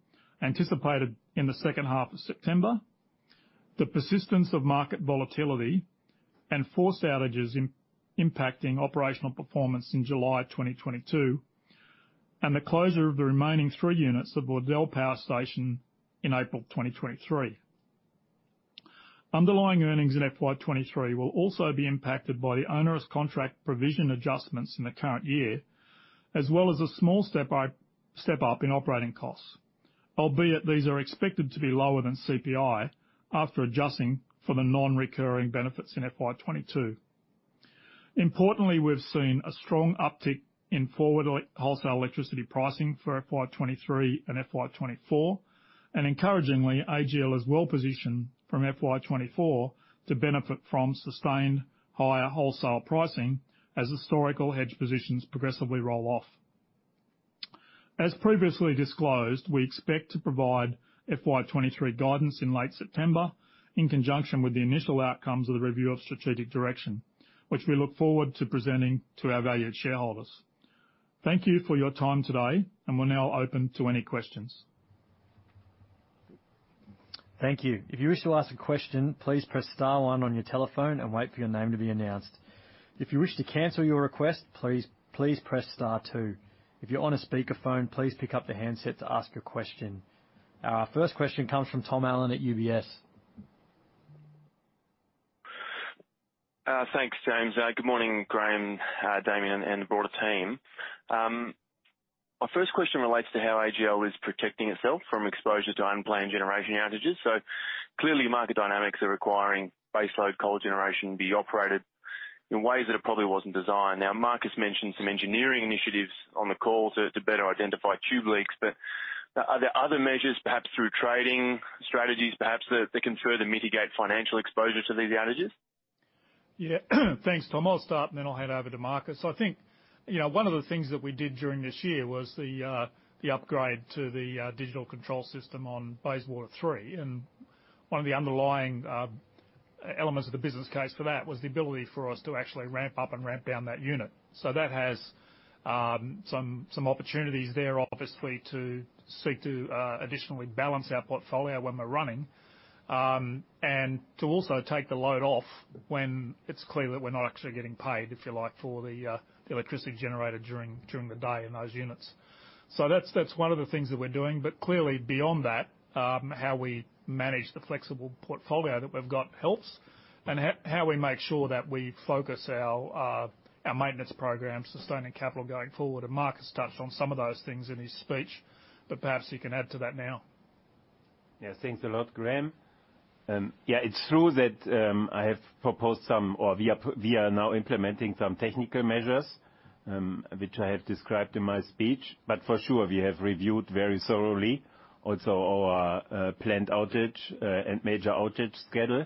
S2: anticipated in the second half of September, the persistence of market volatility and forced outages impacting operational performance in July 2022, and the closure of the remaining three units of Liddell Power Station in April 2023. Underlying earnings in FY 2023 will also be impacted by the onerous contract provision adjustments in the current year, as well as a small step up in operating costs. Albeit these are expected to be lower than CPI after adjusting for the non-recurring benefits in FY 2022. Importantly, we've seen a strong uptick in forward wholesale electricity pricing for FY 2023 and FY 2024, and encouragingly, AGL is well-positioned from FY 2024 to benefit from sustained higher wholesale pricing as historical hedge positions progressively roll off. As previously disclosed, we expect to provide FY 2023 guidance in late September in conjunction with the initial outcomes of the review of strategic direction, which we look forward to presenting to our valued shareholders. Thank you for your time today, and we're now open to any questions.
S1: Thank you. If you wish to ask a question, please press star one on your telephone and wait for your name to be announced. If you wish to cancel your request, please press star two. If you're on a speakerphone, please pick up the handset to ask your question. Our first question comes from Tom Allen at UBS.
S6: Thanks, James. Good morning, Graeme, Damien, and the broader team. My first question relates to how AGL is protecting itself from exposure to unplanned generation outages. Clearly, market dynamics are requiring baseload coal generation be operated in ways that it probably wasn't designed. Now, Markus mentioned some engineering initiatives on the call to better identify tube leaks. But are there other measures, perhaps through trading strategies, perhaps, that can further mitigate financial exposure to these outages?
S2: Yeah. Thanks, Tom. I'll start, and then I'll hand over to Markus. I think, you know, one of the things that we did during this year was the upgrade to the digital control system on Bayswater 3. One of the underlying elements of the business case for that was the ability for us to actually ramp up and ramp down that unit. That has some opportunities there, obviously, to seek to additionally balance our portfolio when we're running and to also take the load off when it's clear that we're not actually getting paid, if you like, for the electricity generated during the day in those units. That's one of the things that we're doing. Clearly, beyond that, how we manage the flexible portfolio that we've got helps and how we make sure that we focus our maintenance programs, sustaining capital going forward. Markus touched on some of those things in his speech, but perhaps he can add to that now.
S5: Yeah. Thanks a lot, Graeme. Yeah, it's true that I have proposed some or we are now implementing some technical measures, which I have described in my speech. For sure, we have reviewed very thoroughly also our planned outage and major outage schedule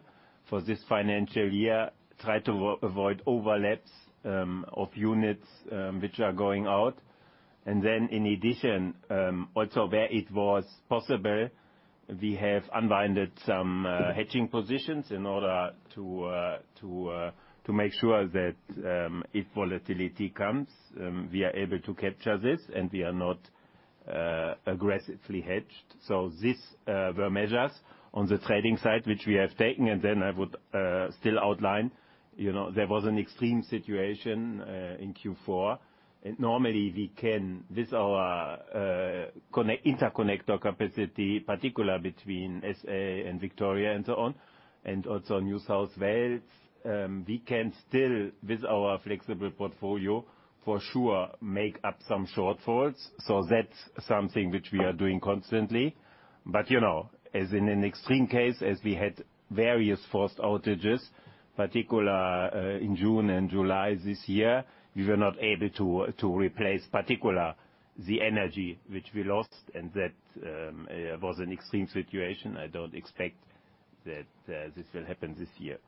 S5: for this financial year. Try to avoid overlaps of units which are going out. In addition, also where it was possible, we have unblinded some hedging positions in order to make sure that if volatility comes we are able to capture this, and we are not aggressively hedged. This were measures on the trading side, which we have taken. I would still outline, you know, there was an extreme situation in Q4. Normally we can with our interconnector capacity, particularly between SA and Victoria and so on, and also New South Wales, we can still with our flexible portfolio, for sure, make up some shortfalls. That's something which we are doing constantly. You know, as in an extreme case, as we had various forced outages, particularly in June and July this year, we were not able to to replace particularly the energy which we lost. That was an extreme situation. I don't expect that this will happen this year.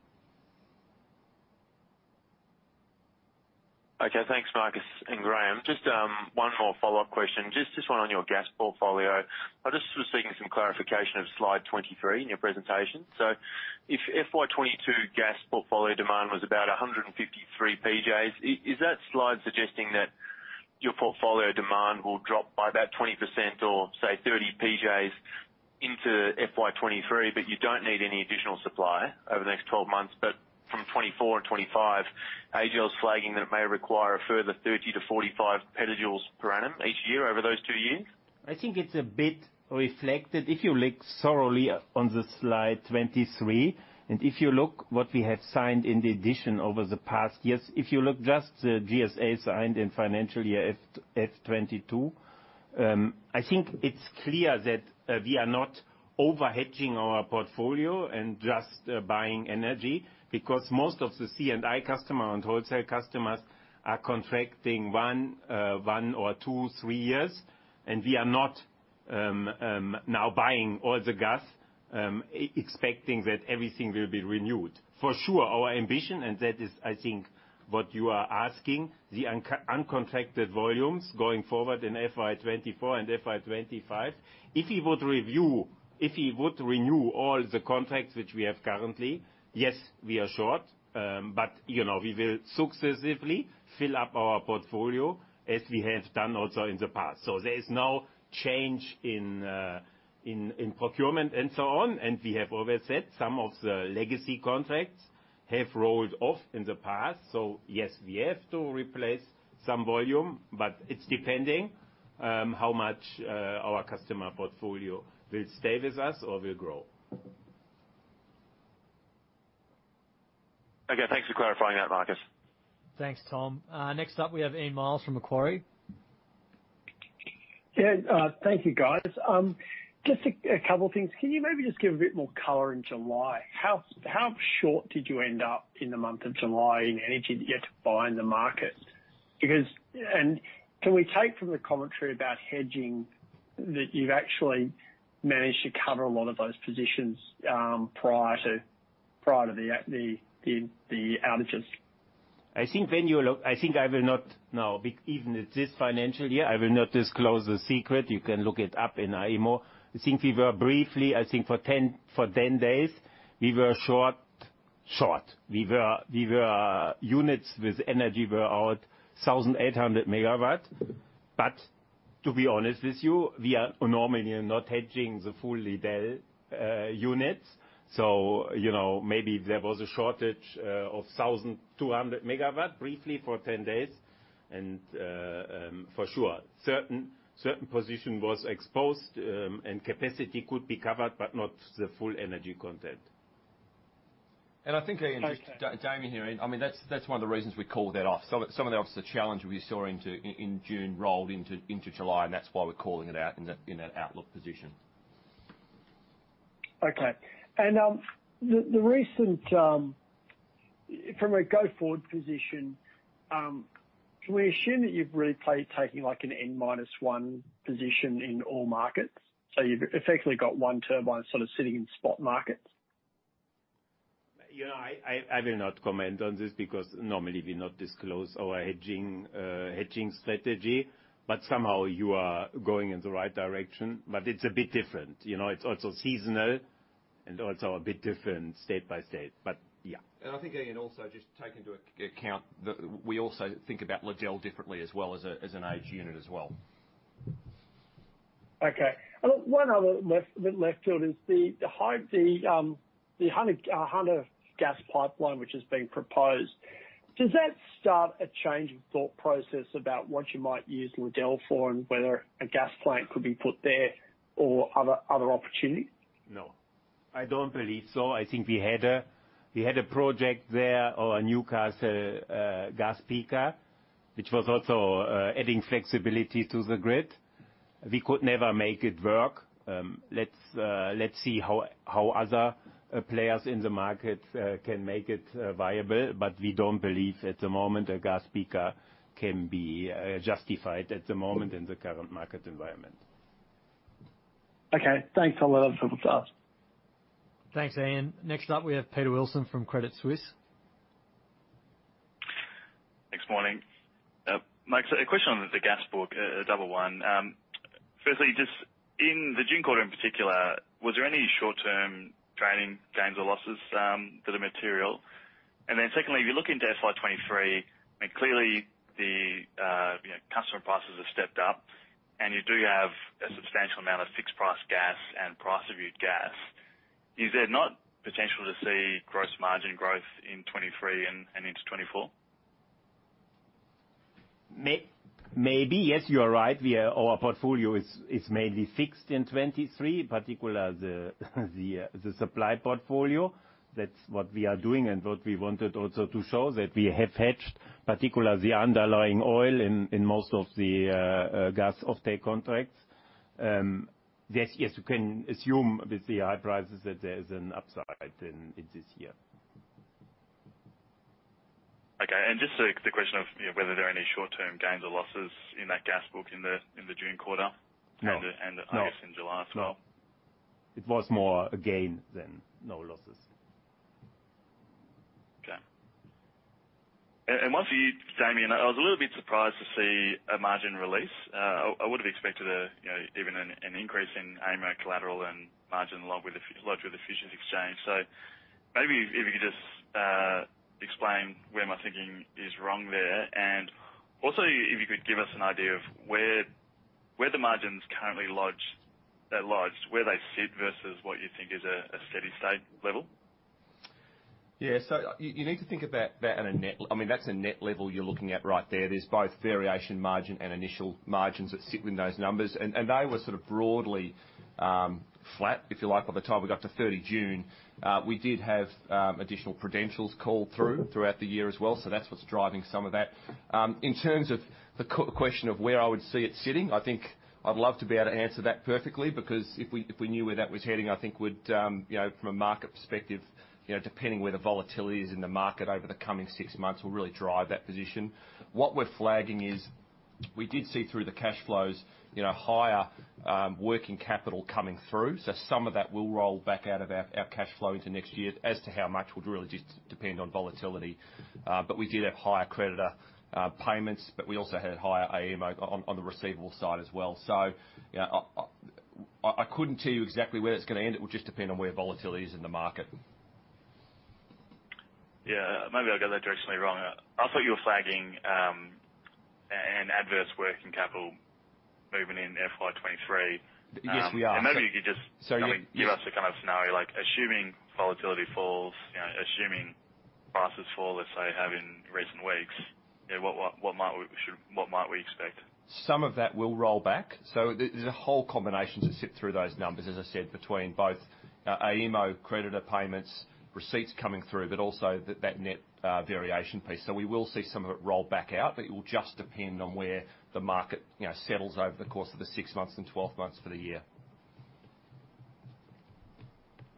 S6: Okay. Thanks, Markus and Graeme. Just one more follow-up question. Just one on your gas portfolio. I just was seeking some clarification of slide 23 in your presentation. If FY 2022 gas portfolio demand was about 153 petajoules, is that slide suggesting that your portfolio demand will drop by about 20% or, say, 30 petajoules into FY 2023, but you don't need any additional supply over the next 12 months? From 2024 and 2025, AGL is flagging that it may require a further 30-45 petajoules per annum each year over those two years.
S5: I think it's a bit reflected. If you look thoroughly on the slide 23, and if you look what we have signed in addition over the past years, if you look just the GSAs signed in financial year FY 2022, I think it's clear that we are not over-hedging our portfolio and just buying energy. Because most of the C&I customer and wholesale customers are contracting one or two, three years, and we are not now buying all the gas expecting that everything will be renewed. For sure, our ambition, and that is, I think, what you are asking, the uncontracted volumes going forward in FY 2024 and FY 2025, if we would renew all the contracts which we have currently, yes, we are short. You know, we will successively fill up our portfolio as we have done also in the past. There is no change in procurement and so on. We have always said some of the legacy contracts have rolled off in the past. Yes, we have to replace some volume, but it's depending how much our customer portfolio will stay with us or will grow.
S6: Okay. Thanks for clarifying that, Markus.
S7: Thanks, Tom. Next up we have Ian Myles from Macquarie.
S8: Yeah. Thank you, guys. Just a couple things. Can you maybe just give a bit more color in July? How short did you end up in the month of July in energy that you had to buy in the market? Because can we take from the commentary about hedging that you've actually managed to cover a lot of those positions prior to the outages?
S5: I think when you look, I think I will not now, even it's this financial year, I will not disclose the secret. You can look it up in AEMO. I think we were briefly, I think for 10 days, we were short. We were units with energy were out 1,800 MW. But to be honest with you, we are normally not hedging the full Liddell units. So, you know, maybe there was a shortage of 1,200 MW briefly for 10 days. For sure, certain position was exposed, and capacity could be covered, but not the full energy content.
S3: I think, Ian. Damien here. I mean, that's one of the reasons we called that off. Some of the operational challenges we saw in June rolled into July, and that's why we're calling it out in that outlook position.
S8: Okay. From a go-forward position, can we assume that you've really played taking, like, an N-1 position in all markets? You've effectively got one turbine sort of sitting in spot markets.
S5: You know, I will not comment on this because normally we not disclose our hedging strategy. Somehow you are going in the right direction. It's a bit different, you know. It's also seasonal, and also a bit different state by state. Yeah.
S3: I think, Ian, we also think about Liddell differently as well as an aged unit as well.
S8: Okay. One other bit left field is the Hunter gas pipeline which is being proposed. Does that start a change of thought process about what you might use Liddell for, and whether a gas plant could be put there or other opportunities?
S5: No. I don't believe so. I think we had a project there, or a Newcastle gas peaker, which was also adding flexibility to the grid. We could never make it work. Let's see how other players in the market can make it viable. We don't believe at the moment a gas peaker can be justified at the moment in the current market environment.
S8: Okay. Thanks a lot. That's all to ask.
S7: Thanks, Ian. Next up, we have Peter Wilson from Credit Suisse.
S9: Next morning. My-- a question on the gas book, a double one. Firstly, just in the June quarter in particular, was there any short-term trading gains or losses that are material? Then secondly, if you look into FY 2023, I mean, clearly, you know, customer prices have stepped up, and you do have a substantial amount of fixed price gas and price reviewed gas. Is there not potential to see gross margin growth in 2023 and into 2024?
S5: Maybe. Yes, you are right. Our portfolio is mainly fixed in 2023, particularly the supply portfolio. That's what we are doing and what we wanted also to show, that we have hedged, particularly the underlying oil and in most of the gas offtake contracts. Yes, you can assume with the high prices that there is an upside in this year.
S9: Okay. Just the question of, you know, whether there are any short-term gains or losses in that gas book in the June quarter?
S5: No.
S9: And the, and the-- I guess in July as well.
S5: No. It was more a gain than no losses.
S9: Okay. One for you, Damien. I was a little bit surprised to see a margin release. I would have expected, you know, even an increase in AEMO collateral and margin along with the futures exchange. Maybe if you could just explain where my thinking is wrong there. Also, if you could give us an idea of where the margins currently are lodged, where they sit versus what you think is a steady state level.
S3: Yeah. You need to think of that on a net level you're looking at right there. I mean, that's a net level you're looking at right there. There's both variation margin and initial margins that sit within those numbers. They were sort of broadly flat, if you like, by the time we got to 30 June. We did have additional collateral called through throughout the year as well. That's what's driving some of that. In terms of the question of where I would see it sitting, I think I'd love to be able to answer that perfectly, because if we knew where that was heading, I think we'd, you know, from a market perspective, you know, depending where the volatility is in the market over the coming six months will really drive that position. What we're flagging is we did see through the cash flows, you know, higher working capital coming through. Some of that will roll back out of our cash flow into next year, as to how much would really just depend on volatility. We did have higher creditor payments, but we also had higher AEMO on the receivable side as well. You know, I couldn't tell you exactly where it's gonna end. It will just depend on where volatility is in the market.
S9: Yeah. Maybe I got that directionally wrong. I thought you were flagging moving in FY 2023.
S3: Yes, we are.
S9: Maybe you could just-- Give us a kind of scenario, like assuming volatility falls, you know, assuming prices fall, as they have in recent weeks, you know, what might we expect?
S3: Some of that will roll back. There, there's a whole combination to sift through those numbers, as I said, between both AEMO creditor payments, receipts coming through, but also that net variation piece. We will see some of it roll back out, but it will just depend on where the market, you know, settles over the course of the 6 months and 12 months for the year.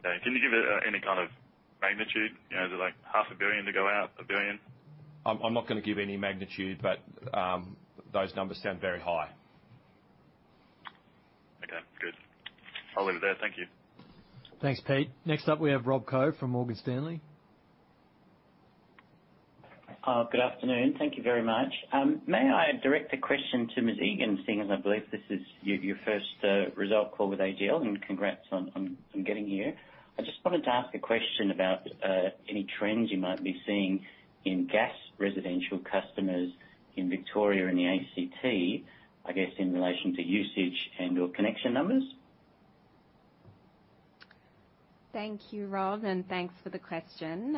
S9: Okay. Can you give any kind of magnitude? You know, is it like 0.5 billion to go out? 1 billion?
S3: I'm not gonna give any magnitude, but those numbers sound very high.
S9: Okay, good. I'll leave it there. Thank you.
S7: Thanks, Pete. Next up, we have Rob Koh from Morgan Stanley.
S10: Good afternoon. Thank you very much. May I direct a question to Ms. Egan, seeing as I believe this is your first result call with AGL, and congrats on getting here. I just wanted to ask a question about any trends you might be seeing in gas residential customers in Victoria and the ACT, I guess, in relation to usage and/or connection numbers.
S4: Thank you, Rob, and thanks for the question.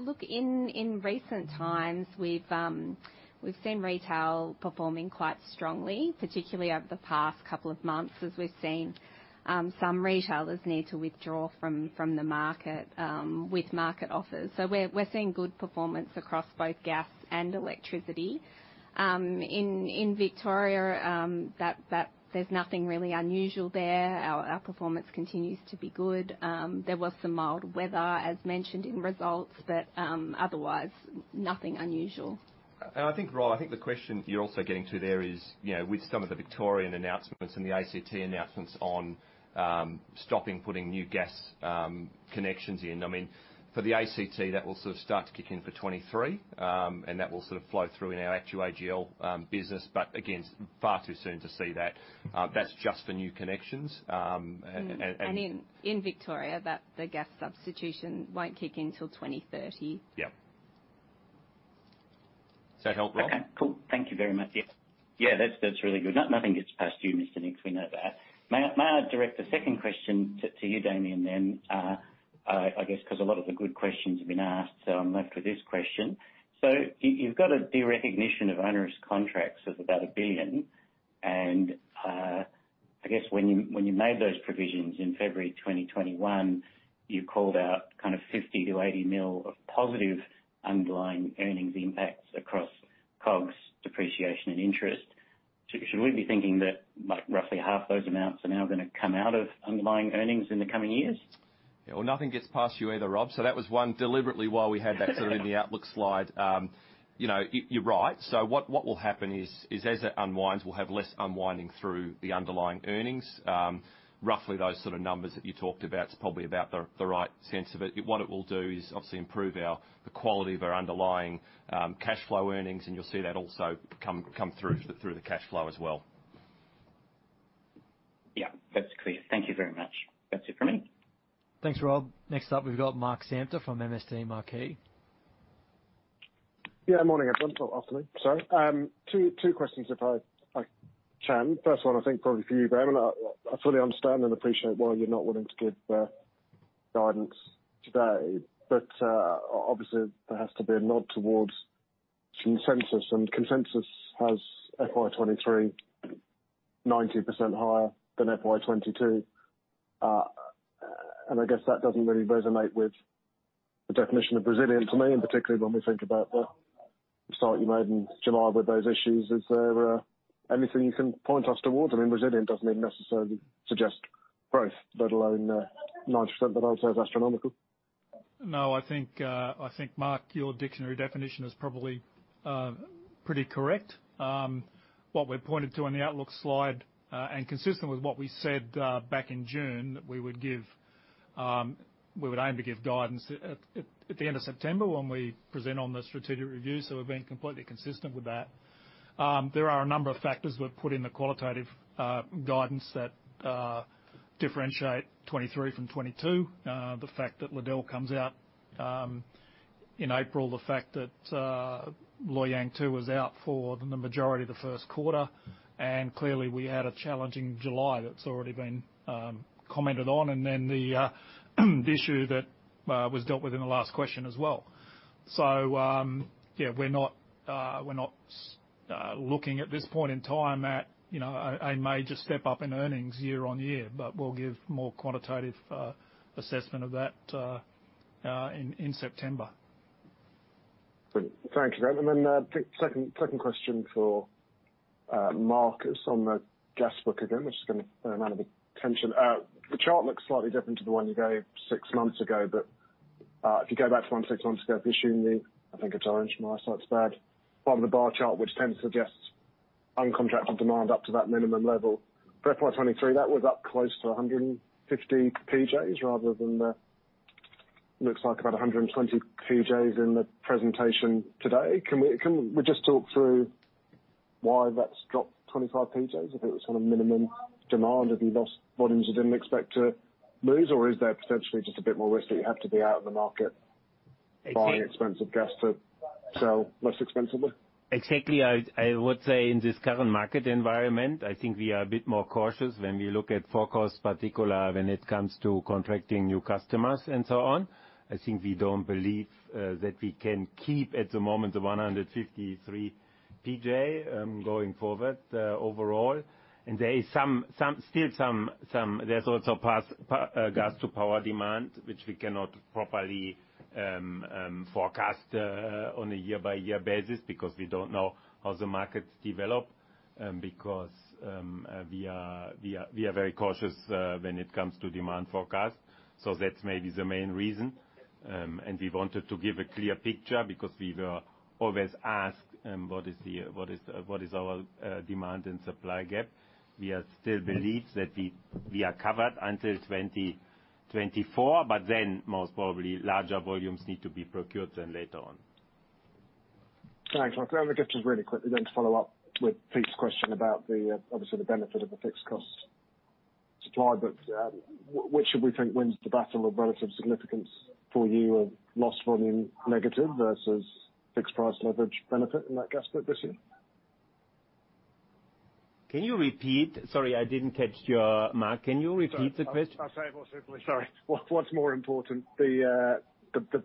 S4: Look, in recent times, we've seen retail performing quite strongly, particularly over the past couple of months as we've seen some retailers need to withdraw from the market with market offers. We're seeing good performance across both gas and electricity. In Victoria, there's nothing really unusual there. Our performance continues to be good. There was some mild weather, as mentioned in results, but otherwise nothing unusual.
S3: I think, Rob, the question you're also getting to there is, you know, with some of the Victorian announcements and the ACT announcements on stopping putting new gas connections in, I mean, for the ACT, that will sort of start to kick in for 2023, and that will sort of flow through in our ActewAGL business, but again, it's far too soon to see that. That's just for new connections.
S4: In Victoria, the gas substitution won't kick in till 2030.
S3: Yep. Does that help, Rob?
S10: Okay, cool. Thank you very much. Yeah, that's really good. Nothing gets past you, Mr. Nicks. We know that. May I direct a second question to you, Damien, then, I guess 'cause a lot of the good questions have been asked, so I'm left with this question. You've got a derecognition of onerous contracts of about 1 billion, and I guess when you made those provisions in February 2021, you called out kind of 50 million-80 million of positive underlying earnings impacts across COGS, depreciation, and interest. Should we be thinking that, like, roughly half those amounts are now gonna come out of underlying earnings in the coming years?
S3: Yeah, well, nothing gets past you either, Rob, that was one deliberately while we had that sort of in the outlook slide. You know, you're right. What will happen is as it unwinds, we'll have less unwinding through the underlying earnings. Roughly those sort of numbers that you talked about is probably about the right sense of it. What it will do is obviously improve our the quality of our underlying cash flow earnings, and you'll see that also come through the cash flow as well.
S10: Yeah, that's clear. Thank you very much. That's it from me.
S7: Thanks, Rob. Next up, we've got Mark Samter from MST Marquee.
S11: Yeah, morning, everyone. Or afternoon, sorry. Two questions if I can. First one, I think probably for you, Graeme, and I fully understand and appreciate why you're not willing to give guidance today, but obviously there has to be a nod towards some consensus. Consensus has FY 2023 90% higher than FY 2022. I guess that doesn't really resonate with the definition of resilient to me, and particularly when we think about the start you made in July with those issues. Is there anything you can point us towards? I mean, resilient doesn't even necessarily suggest growth, let alone 90% that I would say is astronomical.
S2: No, I think, Mark, your dictionary definition is probably pretty correct. What we pointed to on the outlook slide and consistent with what we said back in June, that we would give, we would aim to give guidance at the end of September when we present on the strategic review, so we're being completely consistent with that. There are a number of factors we've put in the qualitative guidance that differentiate 2023 from 2022. The fact that Liddell comes out in April, the fact that Loy Yang 2 was out for the majority of the first quarter, and clearly we had a challenging July that's already been commented on, and then the issue that was dealt with in the last question as well. Yeah, we're not looking at this point in time at, you know, a major step up in earnings year-on-year, but we'll give more quantitative assessment of that in September.
S11: Brilliant. Thank you. Second question for Markus. It's on the gas book again. I'm just gonna throw it out of the equation. The chart looks slightly different to the one you gave six months ago, but if you go back to the one six months ago, if you assume the, I think it's orange. My eyesight's bad. Bottom of the bar chart, which tends to suggest uncontracted demand up to that minimum level. For FY 2023, that was up close to 150 petajoules rather than the, looks like about 120 petajoules in the presentation today. Can we just talk through why that's dropped 25 petajoules, if it was sort of minimum demand? Have you lost volumes you didn't expect to lose, or is there potentially just a bit more risk that you have to be out in the market? Buying expensive gas to sell less expensively?
S5: Exactly. I would say in this current market environment, I think we are a bit more cautious when we look at forecasts, particularly when it comes to contracting new customers and so on. I think we don't believe that we can keep at the moment the 153 PJ going forward overall. There is some still some there's also gas to power demand which we cannot properly forecast on a year-by-year basis because we don't know how the markets develop because we are very cautious when it comes to demand forecast. That's maybe the main reason. We wanted to give a clear picture because we were always asked what is our demand and supply gap. We still believe that we are covered until 2024, but then most probably larger volumes need to be procured and later on.
S11: Thanks. Can I have a question really quickly then to follow up with Pete's question about the obvious benefit of the fixed cost supply, but which should we think wins the battle of relative significance for you? Lost volume negative versus fixed price leverage benefit in that gas clip this year.
S5: Can you repeat? Sorry, I didn't catch. Mark, can you repeat the question?
S11: Sorry. I'll say it more simply. Sorry. What's more important, the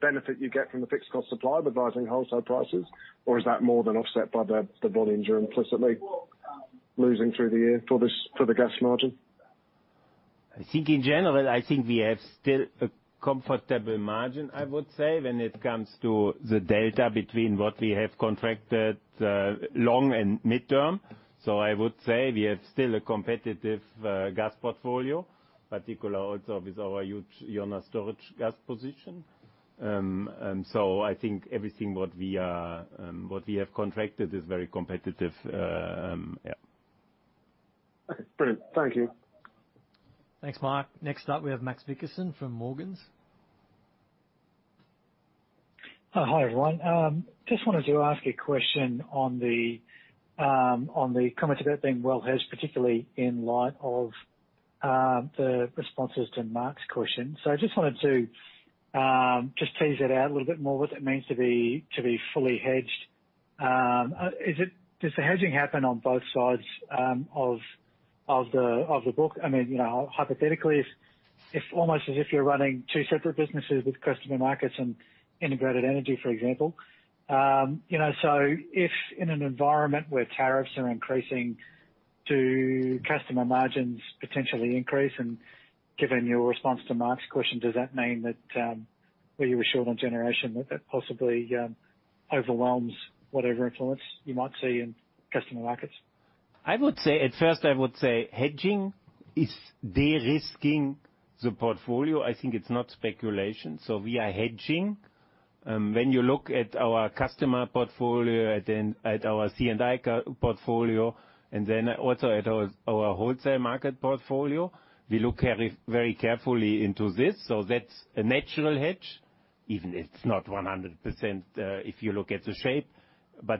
S11: benefit you get from the fixed cost supply of advising wholesale prices, or is that more than offset by the volumes you're implicitly losing through the year for this, for the gas margin?
S5: I think in general, I think we have still a comfortable margin, I would say, when it comes to the data between what we have contracted, long and mid-term. I would say we have still a competitive gas portfolio, particular also with our huge storage gas position. I think everything what we have contracted is very competitive. Yeah.
S11: Okay. Brilliant. Thank you.
S7: Thanks, Mark. Next up, we have Max Vickerson from Morgans.
S12: Hi, everyone. Just wanted to ask a question on the comments about being well hedged, particularly in light of the responses to Mark's question. I just wanted to tease it out a little bit more, what it means to be fully hedged. Does the hedging happen on both sides of the book? I mean, you know, hypothetically, if almost as if you're running two separate businesses with customer markets and integrated energy, for example. You know, if in an environment where tariffs are increasing to customer margins potentially increase, and given your response to Mark's question, does that mean that where you were short on generation, that possibly overwhelms whatever influence you might see in customer markets?
S5: I would say, at first I would say hedging is de-risking the portfolio. I think it's not speculation. We are hedging. When you look at our customer portfolio, at our C&I portfolio, and then also at our wholesale market portfolio, we look very, very carefully into this. That's a natural hedge, even if it's not 100%, if you look at the shape.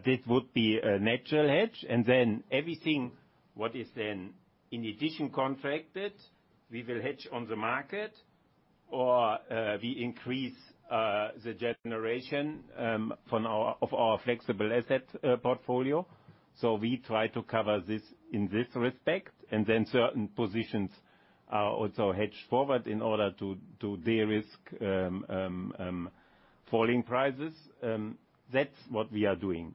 S5: This would be a natural hedge. Everything, what is then in addition contracted, we will hedge on the market or, we increase the generation from our flexible asset portfolio. We try to cover this in this respect, and then certain positions are also hedged forward in order to de-risk falling prices. That's what we are doing.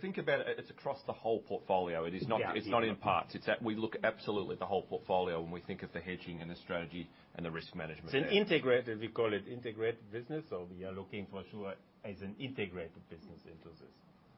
S3: Think about it as across the whole portfolio. It's not in parts. We look absolutely at the whole portfolio when we think of the hedging and the strategy and the risk management.
S5: It's an integrated, we call it integrated business, so we are looking forward as an integrated business into this.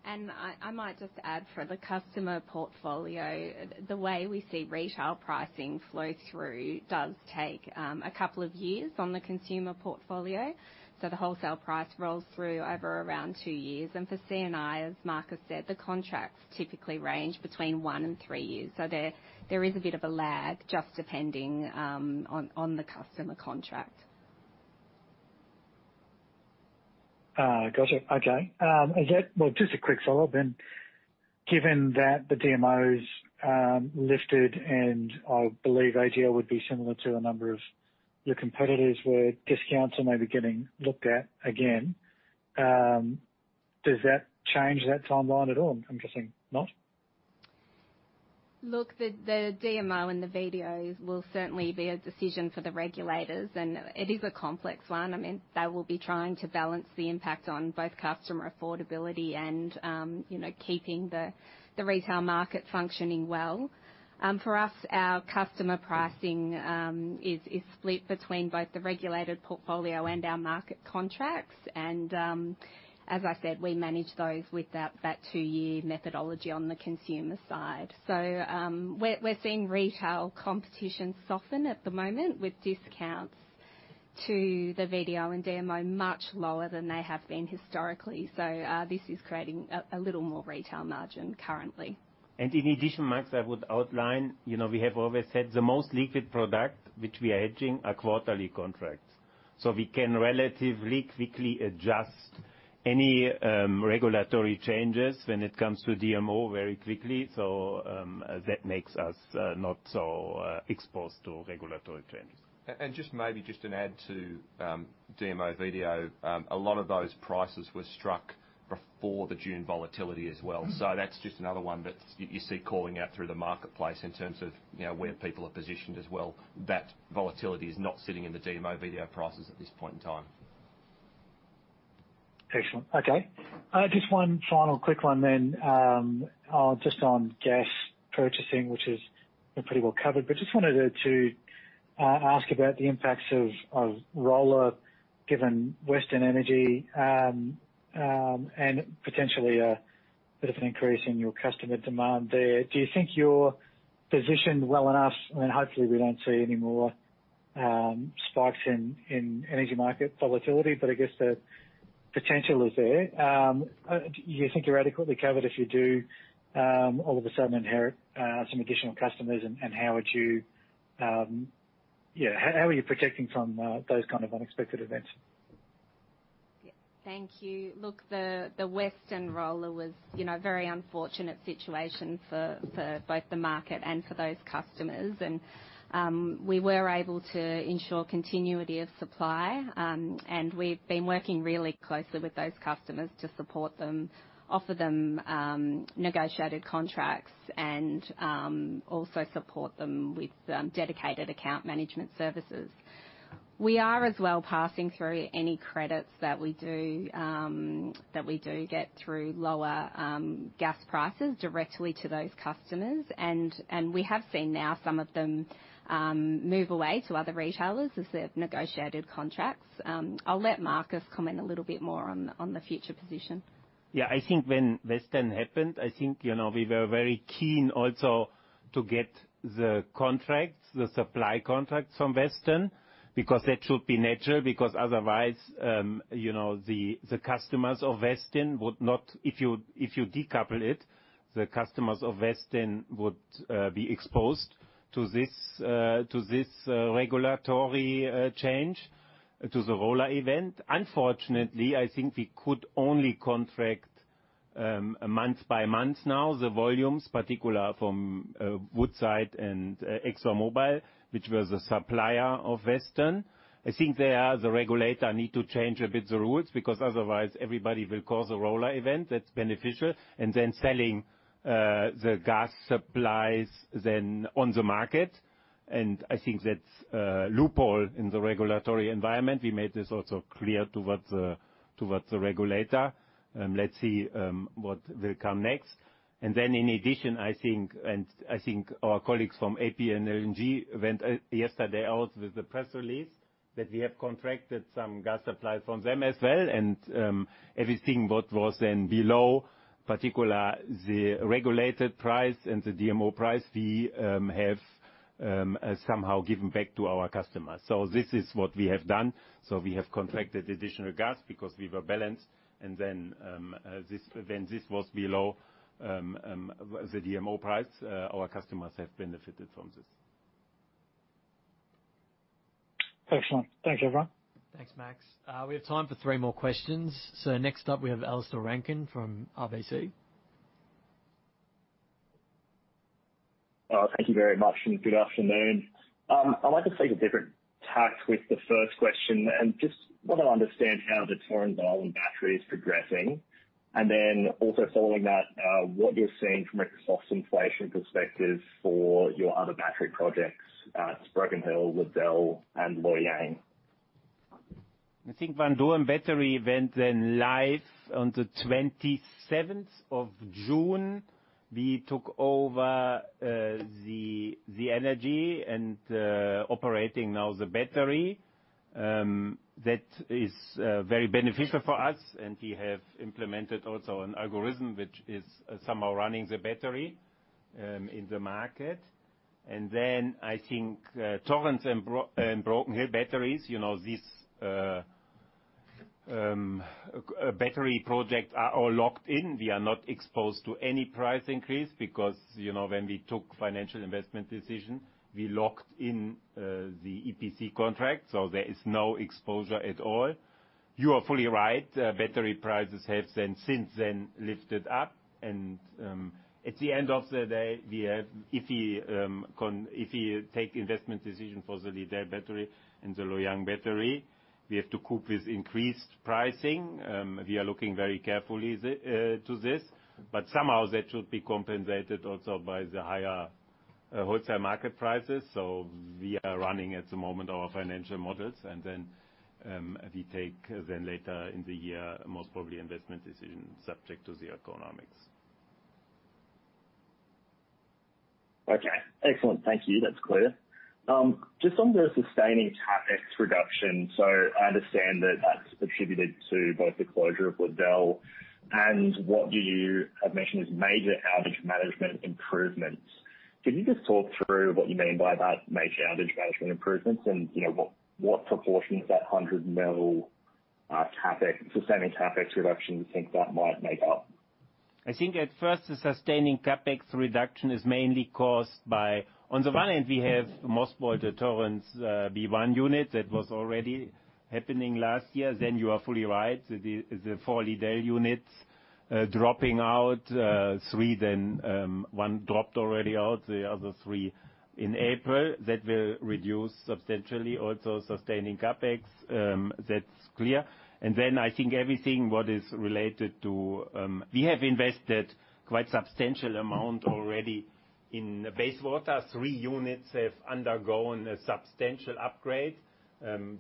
S4: I might just add for the customer portfolio, the way we see retail pricing flow through does take a couple of years on the consumer portfolio. The wholesale price rolls through over around two years. For C&I, as Markus said, the contracts typically range between one and three years. There is a bit of a lag, just depending on the customer contract.
S12: Got it. Okay. Well, just a quick follow-up then. Given that the DMOs lifted, and I believe AGL would be similar to a number of your competitors, where discounts are maybe getting looked at again, does that change that timeline at all? I'm guessing not.
S4: Look, the DMO and the VDOs will certainly be a decision for the regulators, and it is a complex one. I mean, they will be trying to balance the impact on both customer affordability and, you know, keeping the retail market functioning well. For us, our customer pricing is split between both the regulated portfolio and our market contracts. As I said, we manage those with that two-year methodology on the consumer side. We're seeing retail competition soften at the moment with discounts to the VDO and DMO much lower than they have been historically. This is creating a little more retail margin currently.
S5: In addition, Max, I would outline, you know, we have always said the most liquid product, which we are hedging, are quarterly contracts. We can relatively quickly adjust any regulatory changes when it comes to DMO very quickly, so that makes us not so exposed to regulatory changes.
S3: Just an add to DMO VDO. A lot of those prices were struck before the June volatility as well. That's just another one that you see calling out through the marketplace in terms of, you know, where people are positioned as well. That volatility is not sitting in the DMO VDO prices at this point in time.
S12: Excellent. Okay. Just one final quick one then, just on gas purchasing, which is pretty well covered, but just wanted to ask about the impacts of RoLR given Weston Energy, and potentially a bit of an increase in your customer demand there. Do you think you're positioned well enough, and hopefully we don't see any more spikes in energy market volatility, but I guess the potential is there. Do you think you're adequately covered if you do all of a sudden inherit some additional customers, and how would you yeah, how are you protecting from those kind of unexpected events?
S4: Thank you. Look, the Weston RoLR was very unfortunate situation for both the market and for those customers. We were able to ensure continuity of supply. We've been working really closely with those customers to support them, offer them negotiated contracts, and also support them with dedicated account management services. We are as well passing through any credits that we do get through lower gas prices directly to those customers. We have seen now some of them move away to other retailers as they've negotiated contracts. I'll let Markus comment a little bit more on the future position.
S5: Yeah. I think when Weston happened, I think, you know, we were very keen also to get the contracts, the supply contracts from Weston because that should be natural, because otherwise, you know, the customers of Weston would not. If you decouple it, the customers of Weston would be exposed to this regulatory change to the RoLR event. Unfortunately, I think we could only contract month by month now the volumes, particularly from Woodside and ExxonMobil, which was a supplier of Weston. I think there the regulator need to change a bit the rules, because otherwise everybody will cause a RoLR event that's beneficial and then selling the gas supplies then on the market. I think that's a loophole in the regulatory environment. We made this also clear toward the regulator. Let's see what will come next. Then in addition, I think our colleagues from APLNG went yesterday out with the press release that we have contracted some gas supply from them as well. Everything what was then below, particularly the regulated price and the DMO price, we have somehow given back to our customers. This is what we have done. We have contracted additional gas because we were balanced. When this was below the DMO price, our customers have benefited from this.
S12: Excellent. Thanks, everyone.
S7: Thanks, Max. We have time for three more questions. Next up, we have Alistair Rankin from RBC.
S13: Thank you very much, and good afternoon. I'd like to take a different tack with the first question and just want to understand how the Torrens Island Battery is progressing. Also following that, what you're seeing from a resource inflation perspective for your other battery projects, Broken Hill, Liddell, and Loy Yang.
S5: I think when Torrens Island Battery went live on the 27th of June, we took over the energy and operating now the battery. That is very beneficial for us. We have implemented also an algorithm which is somehow running the battery in the market. I think Torrens and Broken Hill batteries, you know, these battery projects are all locked in. We are not exposed to any price increase because, you know, when we took financial investment decision, we locked in the EPC contract, so there is no exposure at all. You are fully right. Battery prices have then since then lifted up. At the end of the day, we have, if we take investment decision for the Liddell battery and the Loy Yang battery, we have to cope with increased pricing. We are looking very carefully at this, but somehow that should be compensated also by the higher wholesale market prices. We are running at the moment our financial models, and then we take later in the year, most probably investment decision subject to the economics.
S13: Okay, excellent. Thank you. That's clear. Just on the sustaining CapEx reduction. I understand that that's attributed to both the closure of Liddell and what you have mentioned is major outage management improvements. Can you just talk through what you mean by that major outage management improvements and what proportion of that 100 million sustaining CapEx reduction you think that might make up?
S5: I think at first, the sustaining CapEx reduction is mainly caused by, on the one hand, we have most of all the Torrens B1 unit that was already happening last year. You are fully right, the four Liddell units dropping out. Three, then one already dropped out, the other three in April. That will reduce substantially also sustaining CapEx. That's clear. I think everything what is related to. We have invested quite substantial amount already in Bayswater. Three units have undergone a substantial upgrade,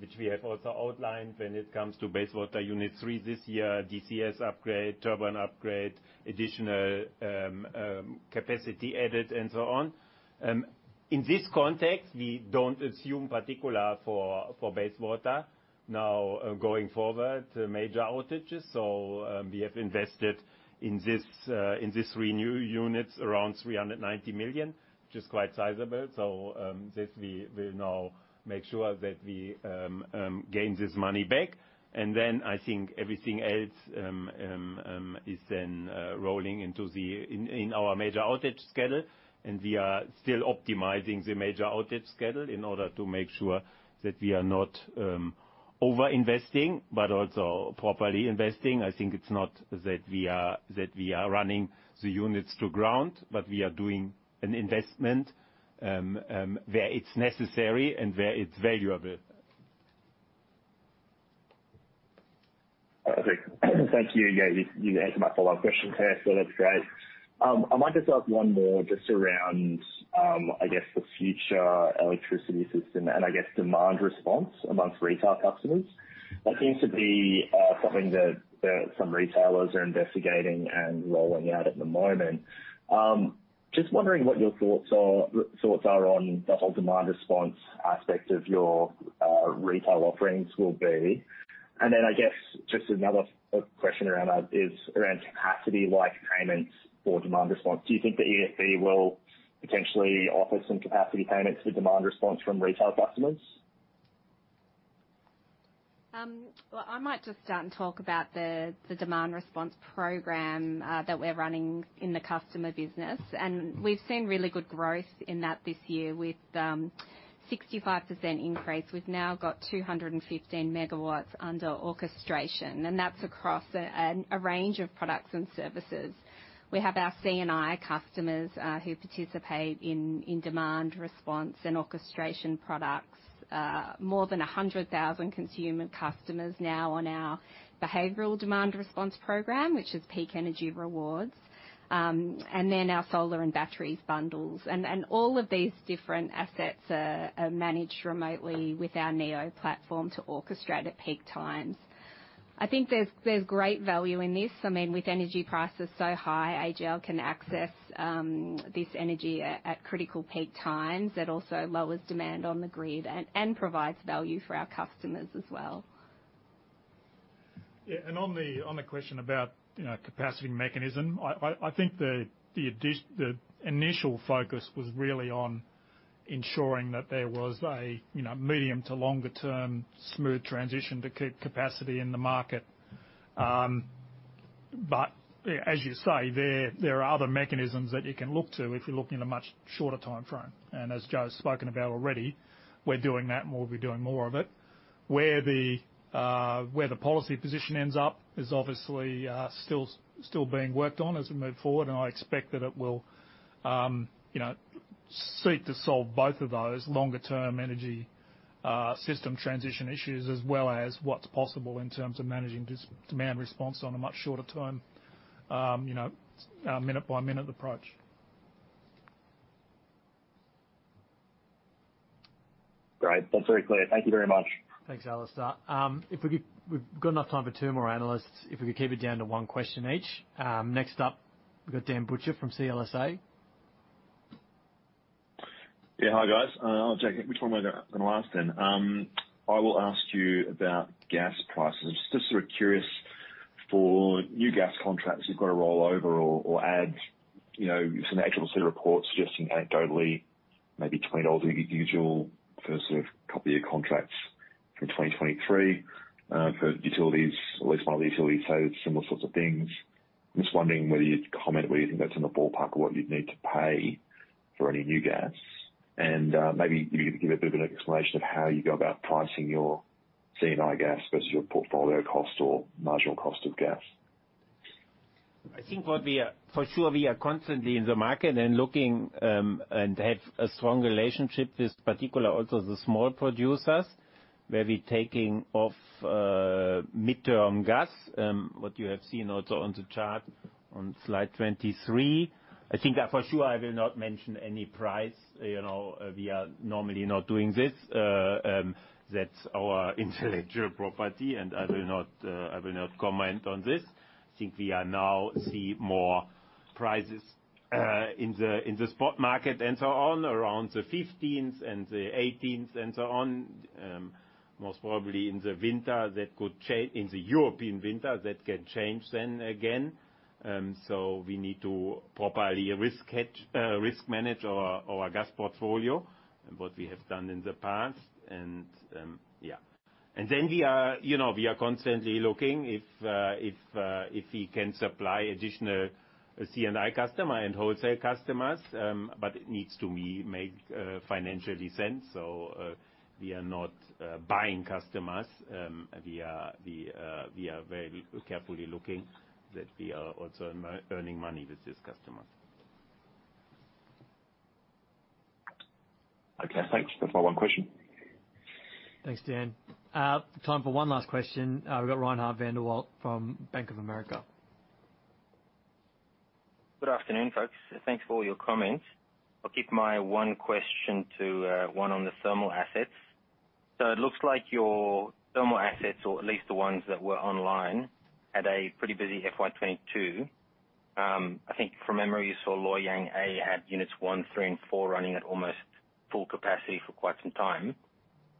S5: which we have also outlined when it comes to Bayswater unit three this year, DCS upgrade, turbine upgrade, additional capacity added and so on. In this context, we don't assume particularly for Bayswater now going forward, major outages. We have invested in these three new units around 390 million, which is quite sizable. This, we now make sure that we gain this money back. I think everything else is then rolling into our major outage schedule, and we are still optimizing the major outage schedule in order to make sure that we are not over-investing, but also properly investing. I think it's not that we are running the units to ground, but we are doing an investment where it's necessary and where it's valuable.
S13: Okay. Thank you. Yeah, you answered my follow-up question there, so that's great. I might just ask one more just around, I guess the future electricity system and I guess demand response among retail customers. That seems to be something that some retailers are investigating and rolling out at the moment. Just wondering what your thoughts are on the whole demand response aspect of your retail offerings will be. And then I guess just another question around that is around capacity like payments for demand response. Do you think that ESB will potentially offer some capacity payments for demand response from retail customers?
S4: Well, I might just start and talk about the demand response program that we're running in the customer business. We've seen really good growth in that this year with 65% increase. We've now got 215 MW under orchestration, and that's across a range of products and services. We have our C&I customers who participate in demand response and orchestration products. More than 100,000 consumer customers now on our behavioral demand response program, which is Peak Energy Rewards. Our solar and batteries bundles. All of these different assets are managed remotely with our NEO platform to orchestrate at peak times. I think there's great value in this. I mean, with energy prices so high, AGL can access this energy at critical peak times. It also lowers demand on the grid and provides value for our customers as well.
S2: Yeah. On the question about, you know, capacity mechanism, I think the initial focus was really on ensuring that there was a, you know, medium to longer term smooth transition to capacity in the market. But as you say, there are other mechanisms that you can look to if you're looking at a much shorter timeframe. As Jo's spoken about already, we're doing that, and we'll be doing more of it. Where the policy position ends up is obviously still being worked on as we move forward, and I expect that it will, you know, seek to solve both of those longer term energy system transition issues, as well as what's possible in terms of managing demand response on a much shorter term, you know, minute-by-minute approach.
S13: Great. That's very clear. Thank you very much.
S7: Thanks, Alistair. We've got enough time for two more analysts. If we could keep it down to one question each. Next up, we've got Daniel Butcher from CLSA.
S14: Hi, guys. I'll check which one I'm gonna ask then. I will ask you about gas prices. Just sort of curious for new gas contracts you've got to roll over or add, you know, some actual set of reports suggesting anecdotally maybe tenfold than usual for sort of couple of year contracts for 2023, for utilities, at least one of the utilities say similar sorts of things. I'm just wondering whether you'd comment whether you think that's in the ballpark of what you'd need to pay for any new gas. Maybe if you could give a bit of an explanation of how you go about pricing your C&I gas versus your portfolio cost or marginal cost of gas.
S5: I think for sure we are constantly in the market and looking and have a strong relationship with particular also the small producers, where we're taking off midterm gas, what you have seen also on the chart on slide 23. I think that for sure I will not mention any price. You know, we are normally not doing this. That's our intellectual property, and I will not comment on this. I think we are now see more prices in the spot market and so on around the 15th and the 18th and so on. Most probably in the winter in the European winter, that can change then again. We need to properly risk hedge risk manage our gas portfolio, what we have done in the past. We are, you know, constantly looking if we can supply additional C&I customer and wholesale customers. It needs to make financial sense. We are not buying customers. We are very carefully looking that we are also earning money with this customer.
S14: Okay, thanks. That's my one question.
S7: Thanks, Dan. Time for one last question. We've got Reinhardt van der Walt from Bank of America.
S15: Good afternoon, folks. Thanks for all your comments. I'll keep my one question to one on the thermal assets. It looks like your thermal assets, or at least the ones that were online, had a pretty busy FY 2022. I think from memory, you saw Loy Yang A had Units 1, 3, and 4 running at almost full capacity for quite some time.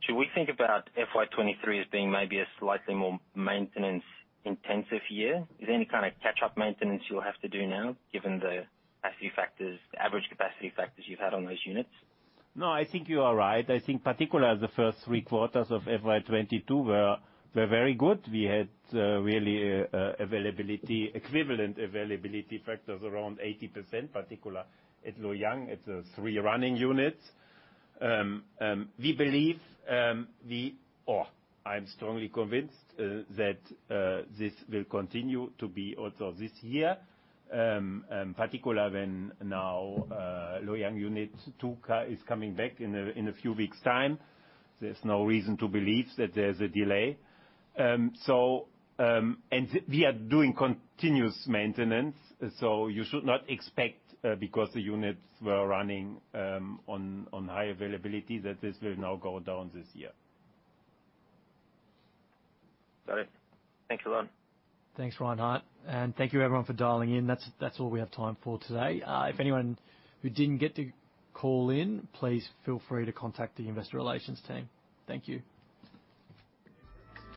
S15: Should we think about FY 2023 as being maybe a slightly more maintenance intensive year? Is there any kind of catch-up maintenance you'll have to do now given the capacity factors, the average capacity factors you've had on those units?
S5: No, I think you are right. I think particularly the first three quarters of FY 2022 were very good. We had really equivalent availability factors around 80%, particularly at Loy Yang. It's three running units. I'm strongly convinced that this will continue to be also this year, particularly when now Loy Yang A Unit 2 is coming back in a few weeks time. There's no reason to believe that there's a delay. We are doing continuous maintenance, so you should not expect, because the units were running on high availability, that this will now go down this year.
S15: Got it. Thanks a lot.
S7: Thanks, Reinhardt, and thank you everyone for dialing in. That's all we have time for today. If anyone who didn't get to call in, please feel free to contact the investor relations team. Thank you.